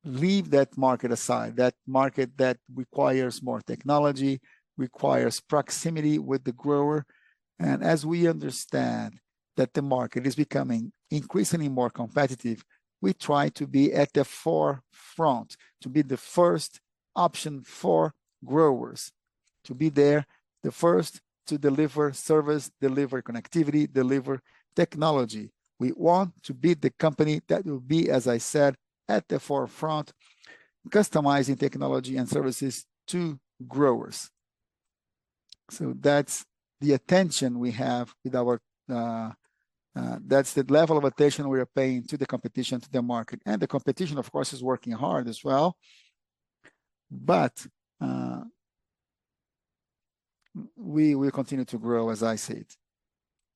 leave that market aside, that market that requires more technology, requires proximity with the grower. And as we understand that the market is becoming increasingly more competitive, we try to be at the forefront, to be the first option for growers, to be there the first to deliver service, deliver connectivity, deliver technology. We want to be the company that will be, as I said, at the forefront, customizing technology and services to growers. So that's the attention we have with our. That's the level of attention we are paying to the competition, to the market. And the competition, of course, is working hard as well. But we will continue to grow, as I see it.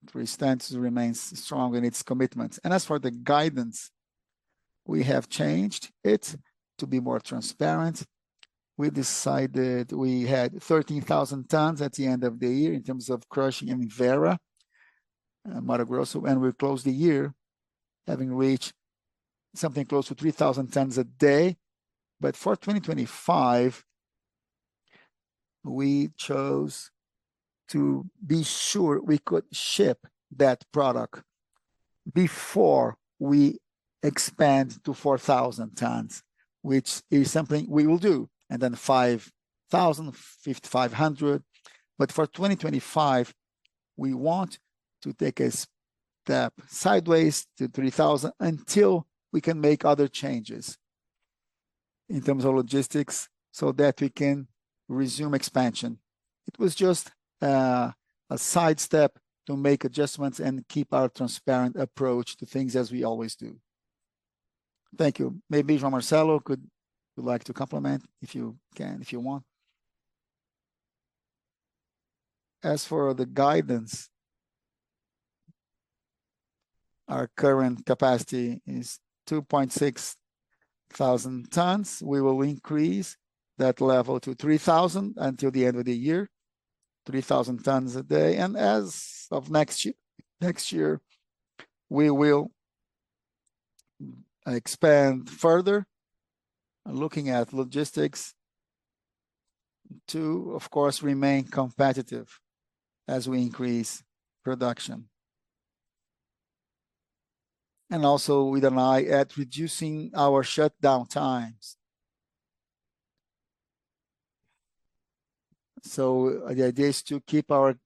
Três Tentos remains strong in its commitments. And as for the guidance, we have changed it to be more transparent. We decided we had 13,000 tons at the end of the year in terms of crushing in Vera, Mato Grosso, and we've closed the year having reached something close to 3,000 tons a day. But for 2025, we chose to be sure we could ship that product before we expand to 4,000 tons, which is something we will do, and then 5,000, 5,500. But for 2025, we want to take a step sideways to 3,000 until we can make other changes in terms of logistics, so that we can resume expansion. It was just a side step to make adjustments and keep our transparent approach to things as we always do. Thank you. Maybe João Marcelo could- would like to comment if you can, if you want. As for the guidance, our current capacity is 2,600 tons. We will increase that level to 3,000 until the end of the year, 3,000 tons a day. And as of next year, next year, we will expand further, looking at logistics to, of course, remain competitive as we increase production. And also with an eye at reducing our shutdown times. So the idea is to keep our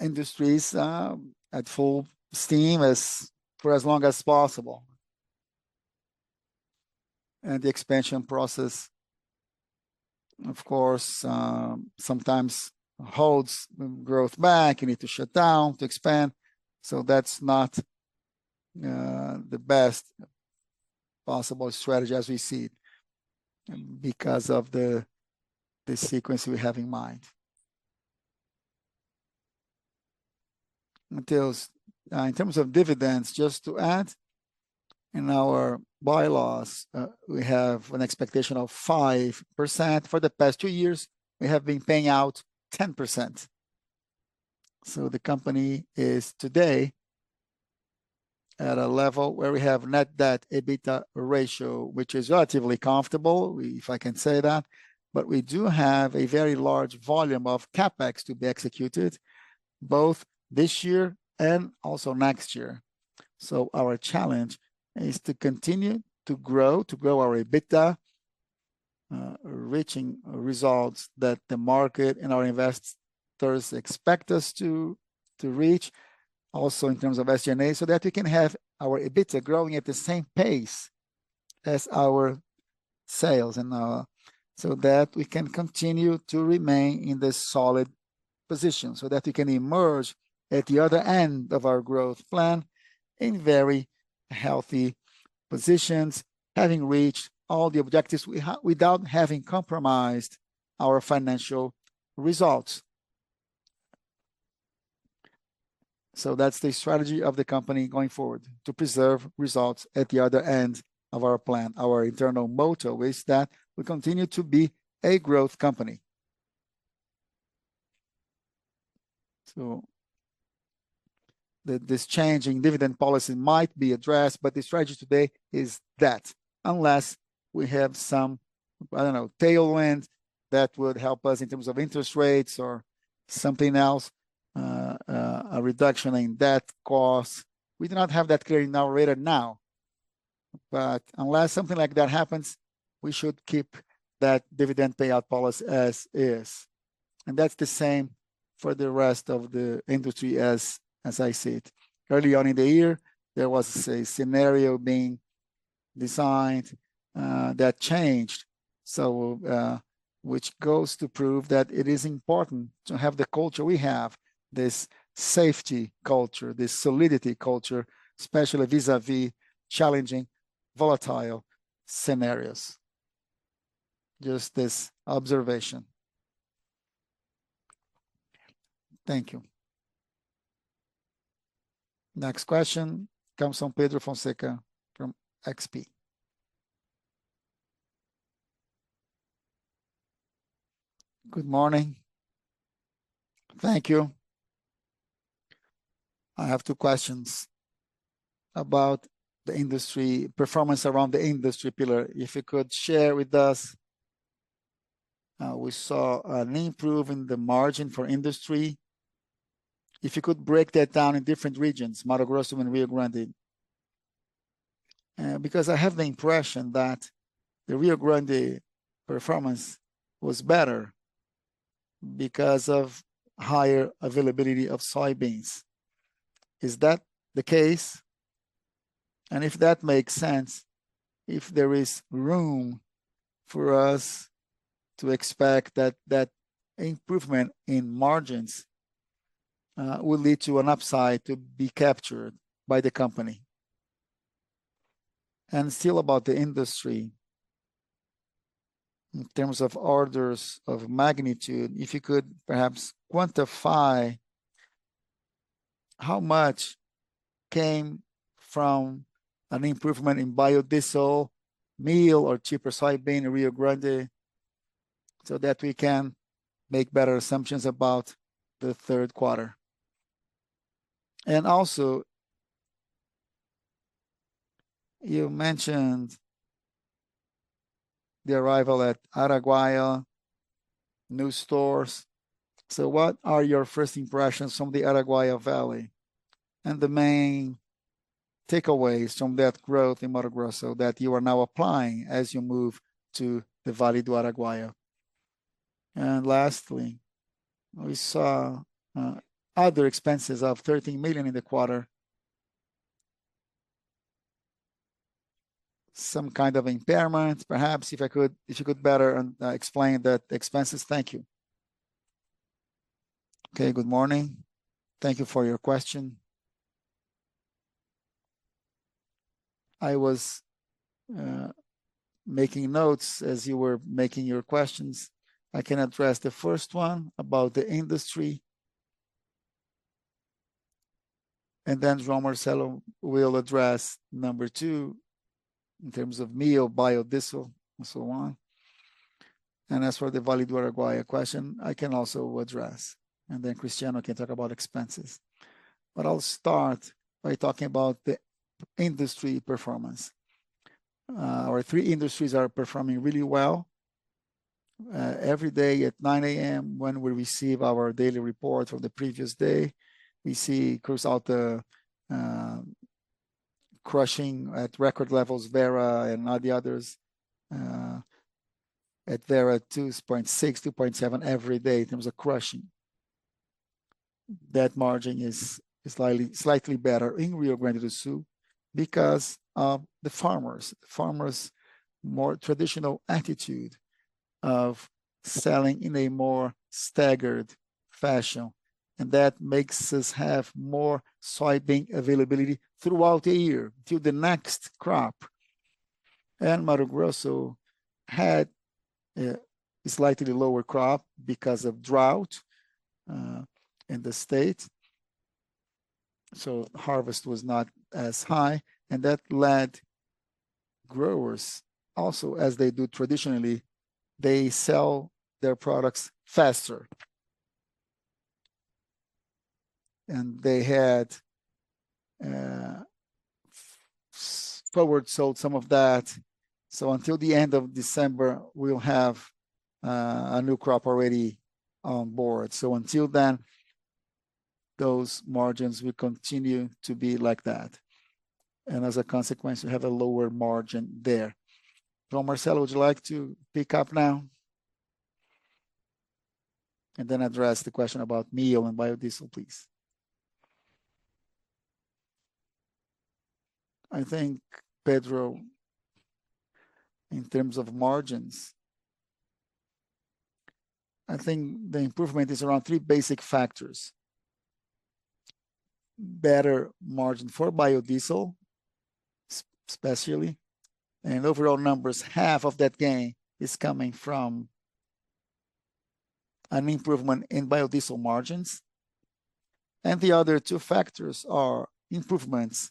industries at full steam for as long as possible. The expansion process, of course, sometimes holds growth back. You need to shut down to expand, so that's not the best possible strategy as we see it because of the sequence we have in mind. Mateus, in terms of dividends, just to add, in our bylaws, we have an expectation of 5%. For the past two years, we have been paying out 10%. So the company is today at a level where we have net debt/EBITDA ratio, which is relatively comfortable, if I can say that. But we do have a very large volume of CapEx to be executed both this year and also next year. So our challenge is to continue to grow, to grow our EBITDA, reaching results that the market and our investors expect us to reach. Also, in terms of SG&A, so that we can have our EBITDA growing at the same pace as our sales and so that we can continue to remain in this solid position, so that we can emerge at the other end of our growth plan in very healthy positions, having reached all the objectives we without having compromised our financial results. So that's the strategy of the company going forward, to preserve results at the other end of our plan. Our internal motto is that we continue to be a growth company. So this change in dividend policy might be addressed, but the strategy today is that unless we have some, I don't know, tailwind that would help us in terms of interest rates or something else, a reduction in debt costs, we do not have that clear in our radar now. But unless something like that happens, we should keep that dividend payout policy as is, and that's the same for the rest of the industry as, as I see it. Early on in the year, there was a scenario being designed, that changed, so, which goes to prove that it is important to have the culture we have, this safety culture, this solidity culture, especially vis-à-vis challenging volatile scenarios. Just this observation. Thank you. Next question comes from Pedro Fonseca from XP. Good morning. Thank you. I have two questions about the industry performance around the industry pillar. If you could share with us, we saw an improvement in the margin for industry. If you could break that down in different regions, Mato Grosso and Rio Grande. Because I have the impression that the Rio Grande performance was better because of higher availability of soybeans. Is that the case? And if that makes sense, if there is room for us to expect that that improvement in margins will lead to an upside to be captured by the company. And still about the industry, in terms of orders of magnitude, if you could perhaps quantify how much came from an improvement in biodiesel, meal, or cheaper soybean in Rio Grande, so that we can make better assumptions about the third quarter. And also, you mentioned the arrival at Araguaia new stores. So what are your first impressions from the Araguaia Valley, and the main takeaways from that growth in Mato Grosso that you are now applying as you move to the Vale do Araguaia? And lastly, we saw other expenses of 13 million in the quarter. Some kind of impairment, perhaps if you could better explain that expenses. Thank you. Okay, good morning. Thank you for your question. I was, making notes as you were making your questions. I can address the first one about the industry, and then João Marcelo will address number two in terms of meal, biodiesel, and so on. And as for the Vale do Araguaia question, I can also address, and then Cristiano can talk about expenses. But I'll start by talking about the industry performance. Our three industries are performing really well. Every day at 9:00 A.M., when we receive our daily report from the previous day, we see Cruz Alta, crushing at record levels, Vera and all the others. At Vera, 2.6, 2.7 every day in terms of crushing. That margin is slightly, slightly better in Rio Grande do Sul because of the farmers. The farmers' more traditional attitude of selling in a more staggered fashion, and that makes us have more soybean availability throughout the year till the next crop. Mato Grosso had a slightly lower crop because of drought in the state, so harvest was not as high. That led growers also, as they do traditionally, they sell their products faster. They had forward sold some of that. So until the end of December, we'll have a new crop already on board. So until then, those margins will continue to be like that, and as a consequence, we have a lower margin there. João Marcelo, would you like to pick up now and then address the question about meal and biodiesel, please? I think, Pedro, in terms of margins... I think the improvement is around three basic factors: better margin for biodiesel, especially, and overall numbers. Half of that gain is coming from an improvement in biodiesel margins. The other two factors are improvements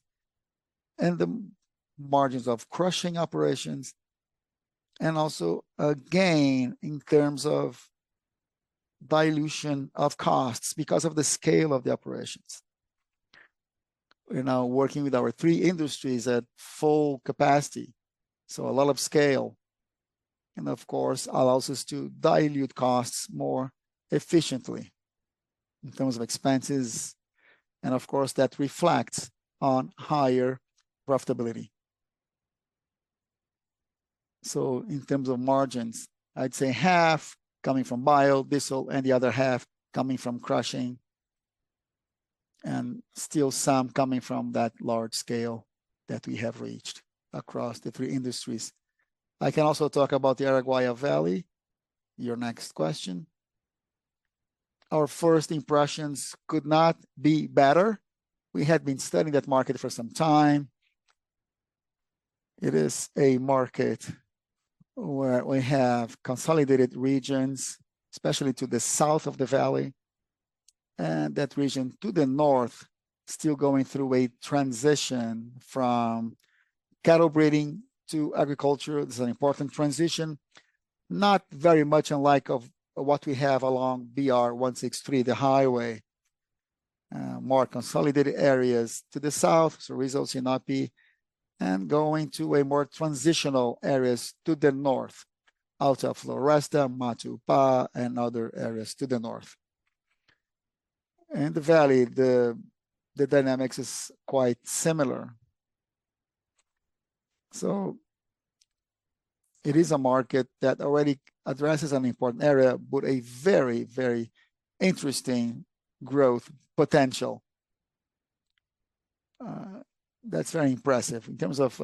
in the margins of crushing operations, and also a gain in terms of dilution of costs because of the scale of the operations. We're now working with our three industries at full capacity, so a lot of scale, and of course, allows us to dilute costs more efficiently in terms of expenses, and of course, that reflects on higher profitability. So in terms of margins, I'd say half coming from biodiesel and the other half coming from crushing, and still some coming from that large scale that we have reached across the three industries. I can also talk about the Araguaia Valley, your next question. Our first impressions could not be better. We had been studying that market for some time. It is a market where we have consolidated regions, especially to the south of the valley, and that region to the north, still going through a transition from cattle breeding to agriculture. It's an important transition, not very much unlike of what we have along BR-163, the highway. More consolidated areas to the south, so Rondonópolis, and going to a more transitional areas to the north, out of Alta Floresta, Matupá, and other areas to the north. In the valley, the dynamics is quite similar. So it is a market that already addresses an important area with a very, very interesting growth potential. That's very impressive in terms of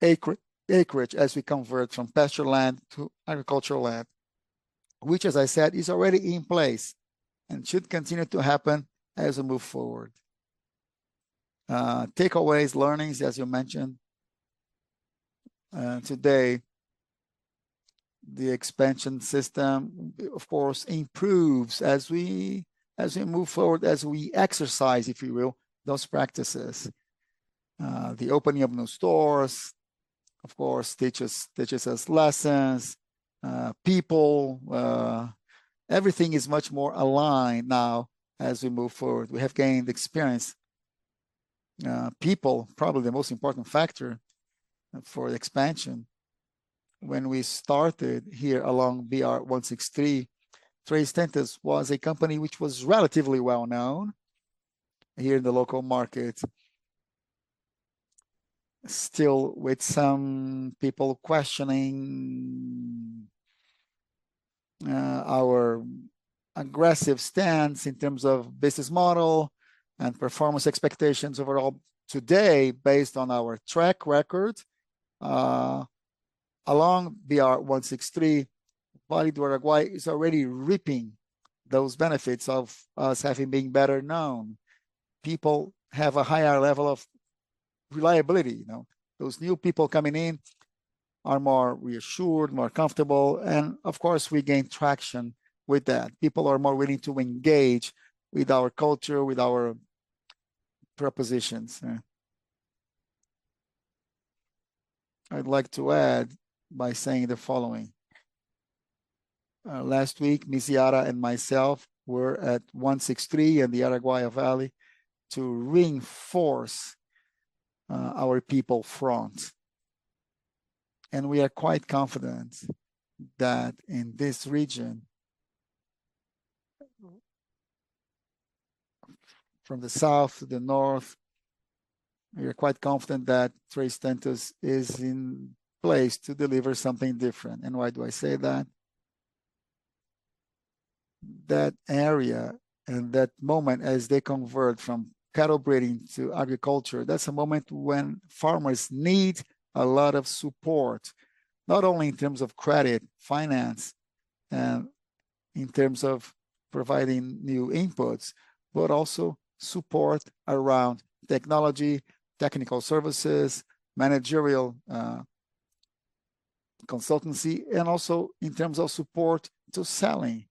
acreage as we convert from pasture land to agricultural land, which, as I said, is already in place and should continue to happen as we move forward. Takeaways, learnings, as you mentioned, today, the expansion system, of course, improves as we move forward, as we exercise, if you will, those practices. The opening of new stores, of course, teaches us lessons. People, everything is much more aligned now as we move forward. We have gained experience. People, probably the most important factor, for the expansion. When we started here along BR-163, Três Tentos was a company which was relatively well known here in the local market. Still, with some people questioning, our aggressive stance in terms of business model and performance expectations overall. Today, based on our track record, along BR-163, Vale do Araguaia is already reaping those benefits of us having being better known. People have a higher level of reliability, you know? Those new people coming in are more reassured, more comfortable, and of course, we gain traction with that. People are more willing to engage with our culture, with our propositions. I'd like to add by saying the following: last week, Miziara and myself were at 163 in the Araguaia Valley to reinforce our people front, and we are quite confident that in this region, from the south to the north, we are quite confident that Três Tentos is in place to deliver something different. And why do I say that? That area and that moment, as they convert from cattle breeding to agriculture, that's a moment when farmers need a lot of support, not only in terms of credit, finance, in terms of providing new inputs, but also support around technology, technical services, managerial consultancy, and also in terms of support to selling.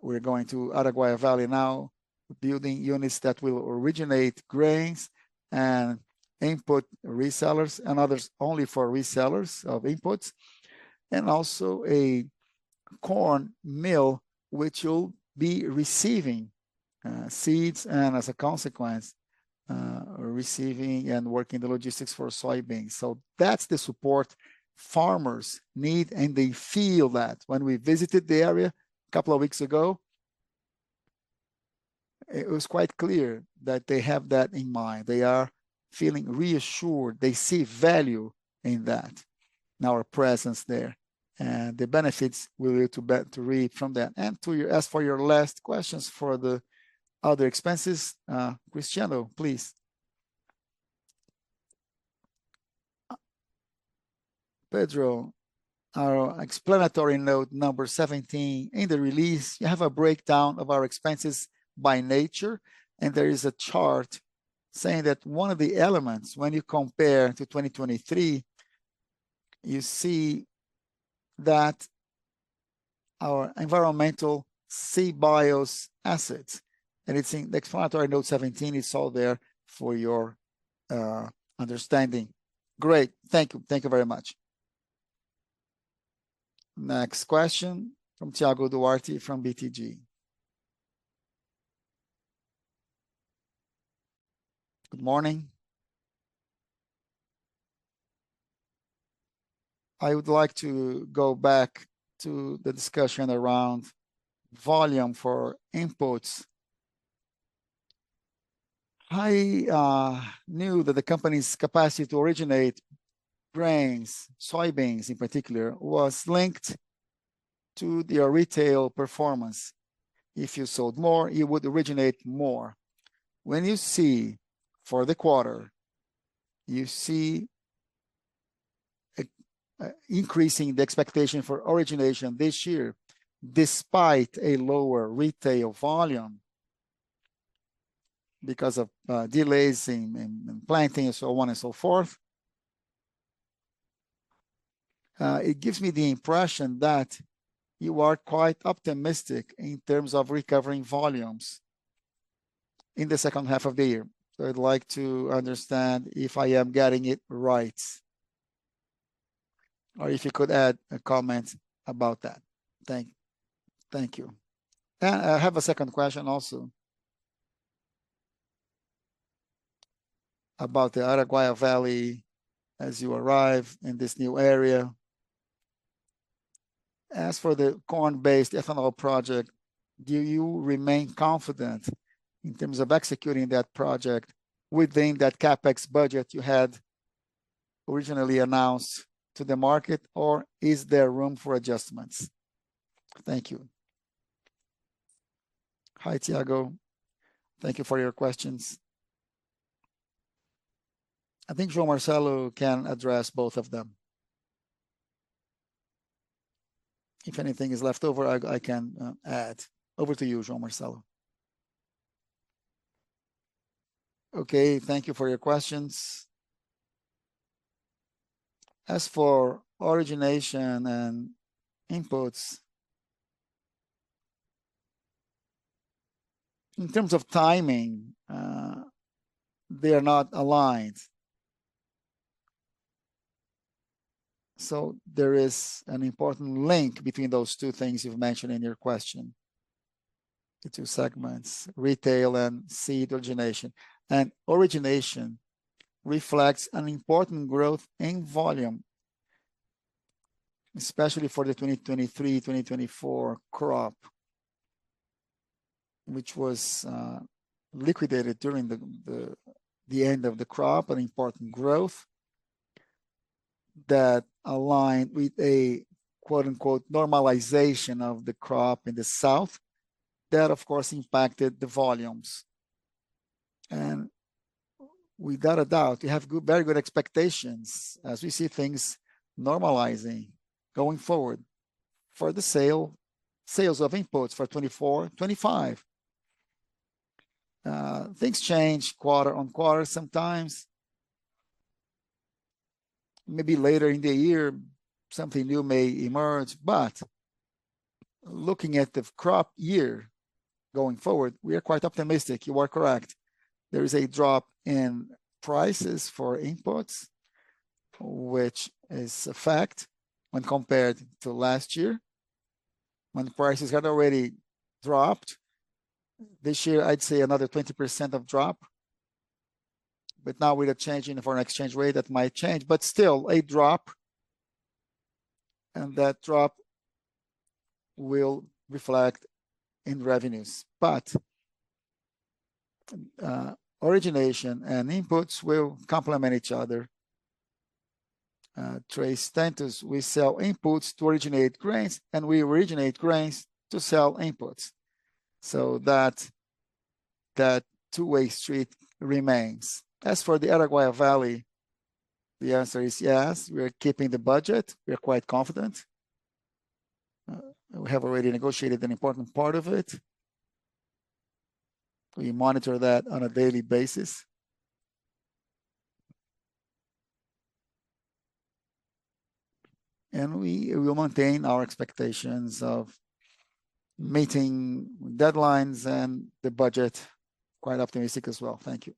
We're going to Araguaia Valley now, building units that will originate grains and input resellers and others, only for resellers of inputs, and also a corn mill, which will be receiving seeds, and as a consequence, receiving and working the logistics for soybeans. So that's the support farmers need, and they feel that. When we visited the area a couple of weeks ago, it was quite clear that they have that in mind. They are feeling reassured. They see value in that, in our presence there, and the benefits we are to be- to reap from that. And to your- as for your last questions, for the other expenses, Cristiano, please?... Pedro, our explanatory note number 17 in the release, you have a breakdown of our expenses by nature, and there is a chart saying that one of the elements, when you compare to 2023, you see that our environmental CBIOs assets, and it's in the explanatory note 17, it's all there for your understanding. Great. Thank you. Thank you very much. Next question from Thiago Duarte from BTG. Good morning. I would like to go back to the discussion around volume for inputs. I knew that the company's capacity to originate grains, soybeans in particular, was linked to their retail performance. If you sold more, you would originate more. When you see for the quarter, you see increasing the expectation for origination this year, despite a lower retail volume because of delays in planting and so on and so forth, it gives me the impression that you are quite optimistic in terms of recovering volumes in the second half of the year. So I'd like to understand if I am getting it right, or if you could add a comment about that. Thank you. And I have a second question also about the Araguaia Valley as you arrive in this new area. As for the corn-based ethanol project, do you remain confident in terms of executing that project within that CapEx budget you had originally announced to the market, or is there room for adjustments? Thank you. Hi, Thiago. Thank you for your questions. I think João Marcelo can address both of them. If anything is left over, I can add. Over to you, João Marcelo. Okay, thank you for your questions. As for origination and inputs, in terms of timing, they are not aligned. So there is an important link between those two things you've mentioned in your question, the two segments, retail and seed origination. And origination reflects an important growth in volume, especially for the 2023/2024 crop, which was liquidated during the end of the crop, an important growth that aligned with a quote-unquote "normalization of the crop in the south." That, of course, impacted the volumes. And without a doubt, we have very good expectations as we see things normalizing going forward for the sales of inputs for 2024/2025. Things change quarter-on-quarter sometimes. Maybe later in the year, something new may emerge, but looking at the crop year going forward, we are quite optimistic. You are correct. There is a drop in prices for inputs, which is a fact when compared to last year, when prices had already dropped. This year, I'd say another 20% of drop, but now with a change in the foreign exchange rate, that might change, but still a drop, and that drop will reflect in revenues. But, origination and inputs will complement each other. Três Tentos, we sell inputs to originate grains, and we originate grains to sell inputs, so that, that two-way street remains. As for the Araguaia Valley, the answer is yes, we are keeping the budget. We are quite confident. We have already negotiated an important part of it. We monitor that on a daily basis. And we will maintain our expectations of meeting deadlines and the budget, quite optimistic as well. Thank you.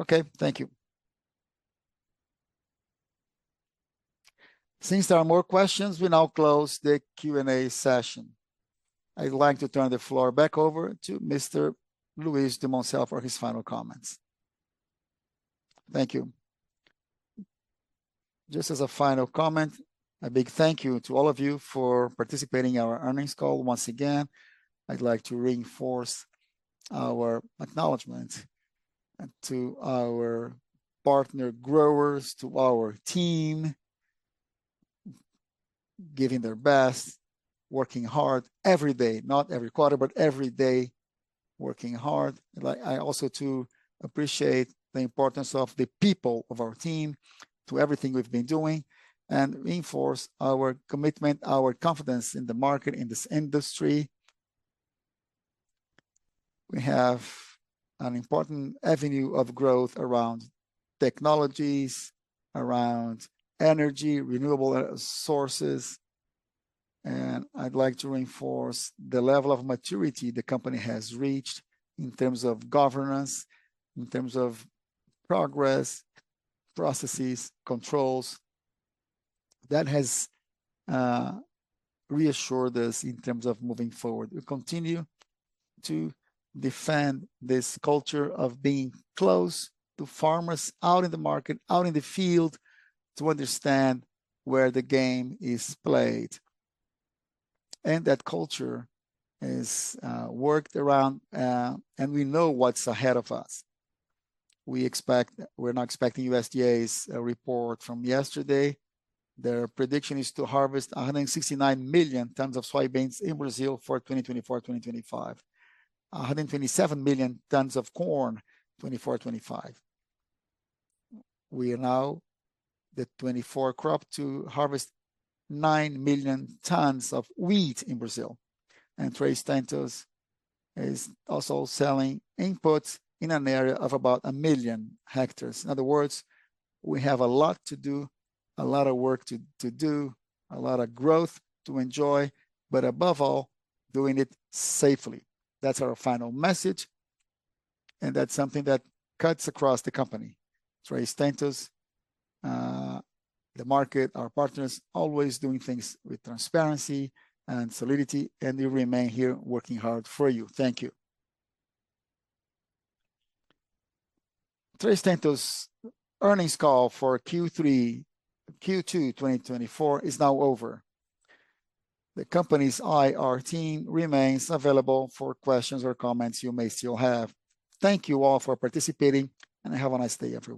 Okay, thank you. Since there are more questions, we now close the Q&A session. I'd like to turn the floor back over to Mr. Luiz Osório Dumoncel for his final comments. Thank you. Just as a final comment, a big thank you to all of you for participating in our earnings call. Once again, I'd like to reinforce our acknowledgement to our partner growers, to our team, giving their best, working hard every day, not every quarter, but every day, working hard. Like, I also, too, appreciate the importance of the people of our team to everything we've been doing, and reinforce our commitment, our confidence in the market, in this industry. We have an important avenue of growth around technologies, around energy, renewable sources, and I'd like to reinforce the level of maturity the company has reached in terms of governance, in terms of progress, processes, controls. That has reassured us in terms of moving forward. We continue to defend this culture of being close to farmers out in the market, out in the field, to understand where the game is played. And that culture is worked around. And we know what's ahead of us. We're now expecting USDA's report from yesterday. Their prediction is to harvest 169 million tons of soybeans in Brazil for 2024-2025, 127 million tons of corn, 2025. We allow the 2024 crop to harvest 9 million tons of wheat in Brazil, and Três Tentos is also selling inputs in an area of about 1 million ha. In other words, we have a lot to do, a lot of work to do, a lot of growth to enjoy, but above all, doing it safely. That's our final message, and that's something that cuts across the company. Três Tentos, the market, our partners, always doing things with transparency and solidity, and we remain here working hard for you. Thank you. Três Tentos' earnings call for Q2 2024 is now over. The company's IR team remains available for questions or comments you may still have. Thank you all for participating, and have a nice day, everyone.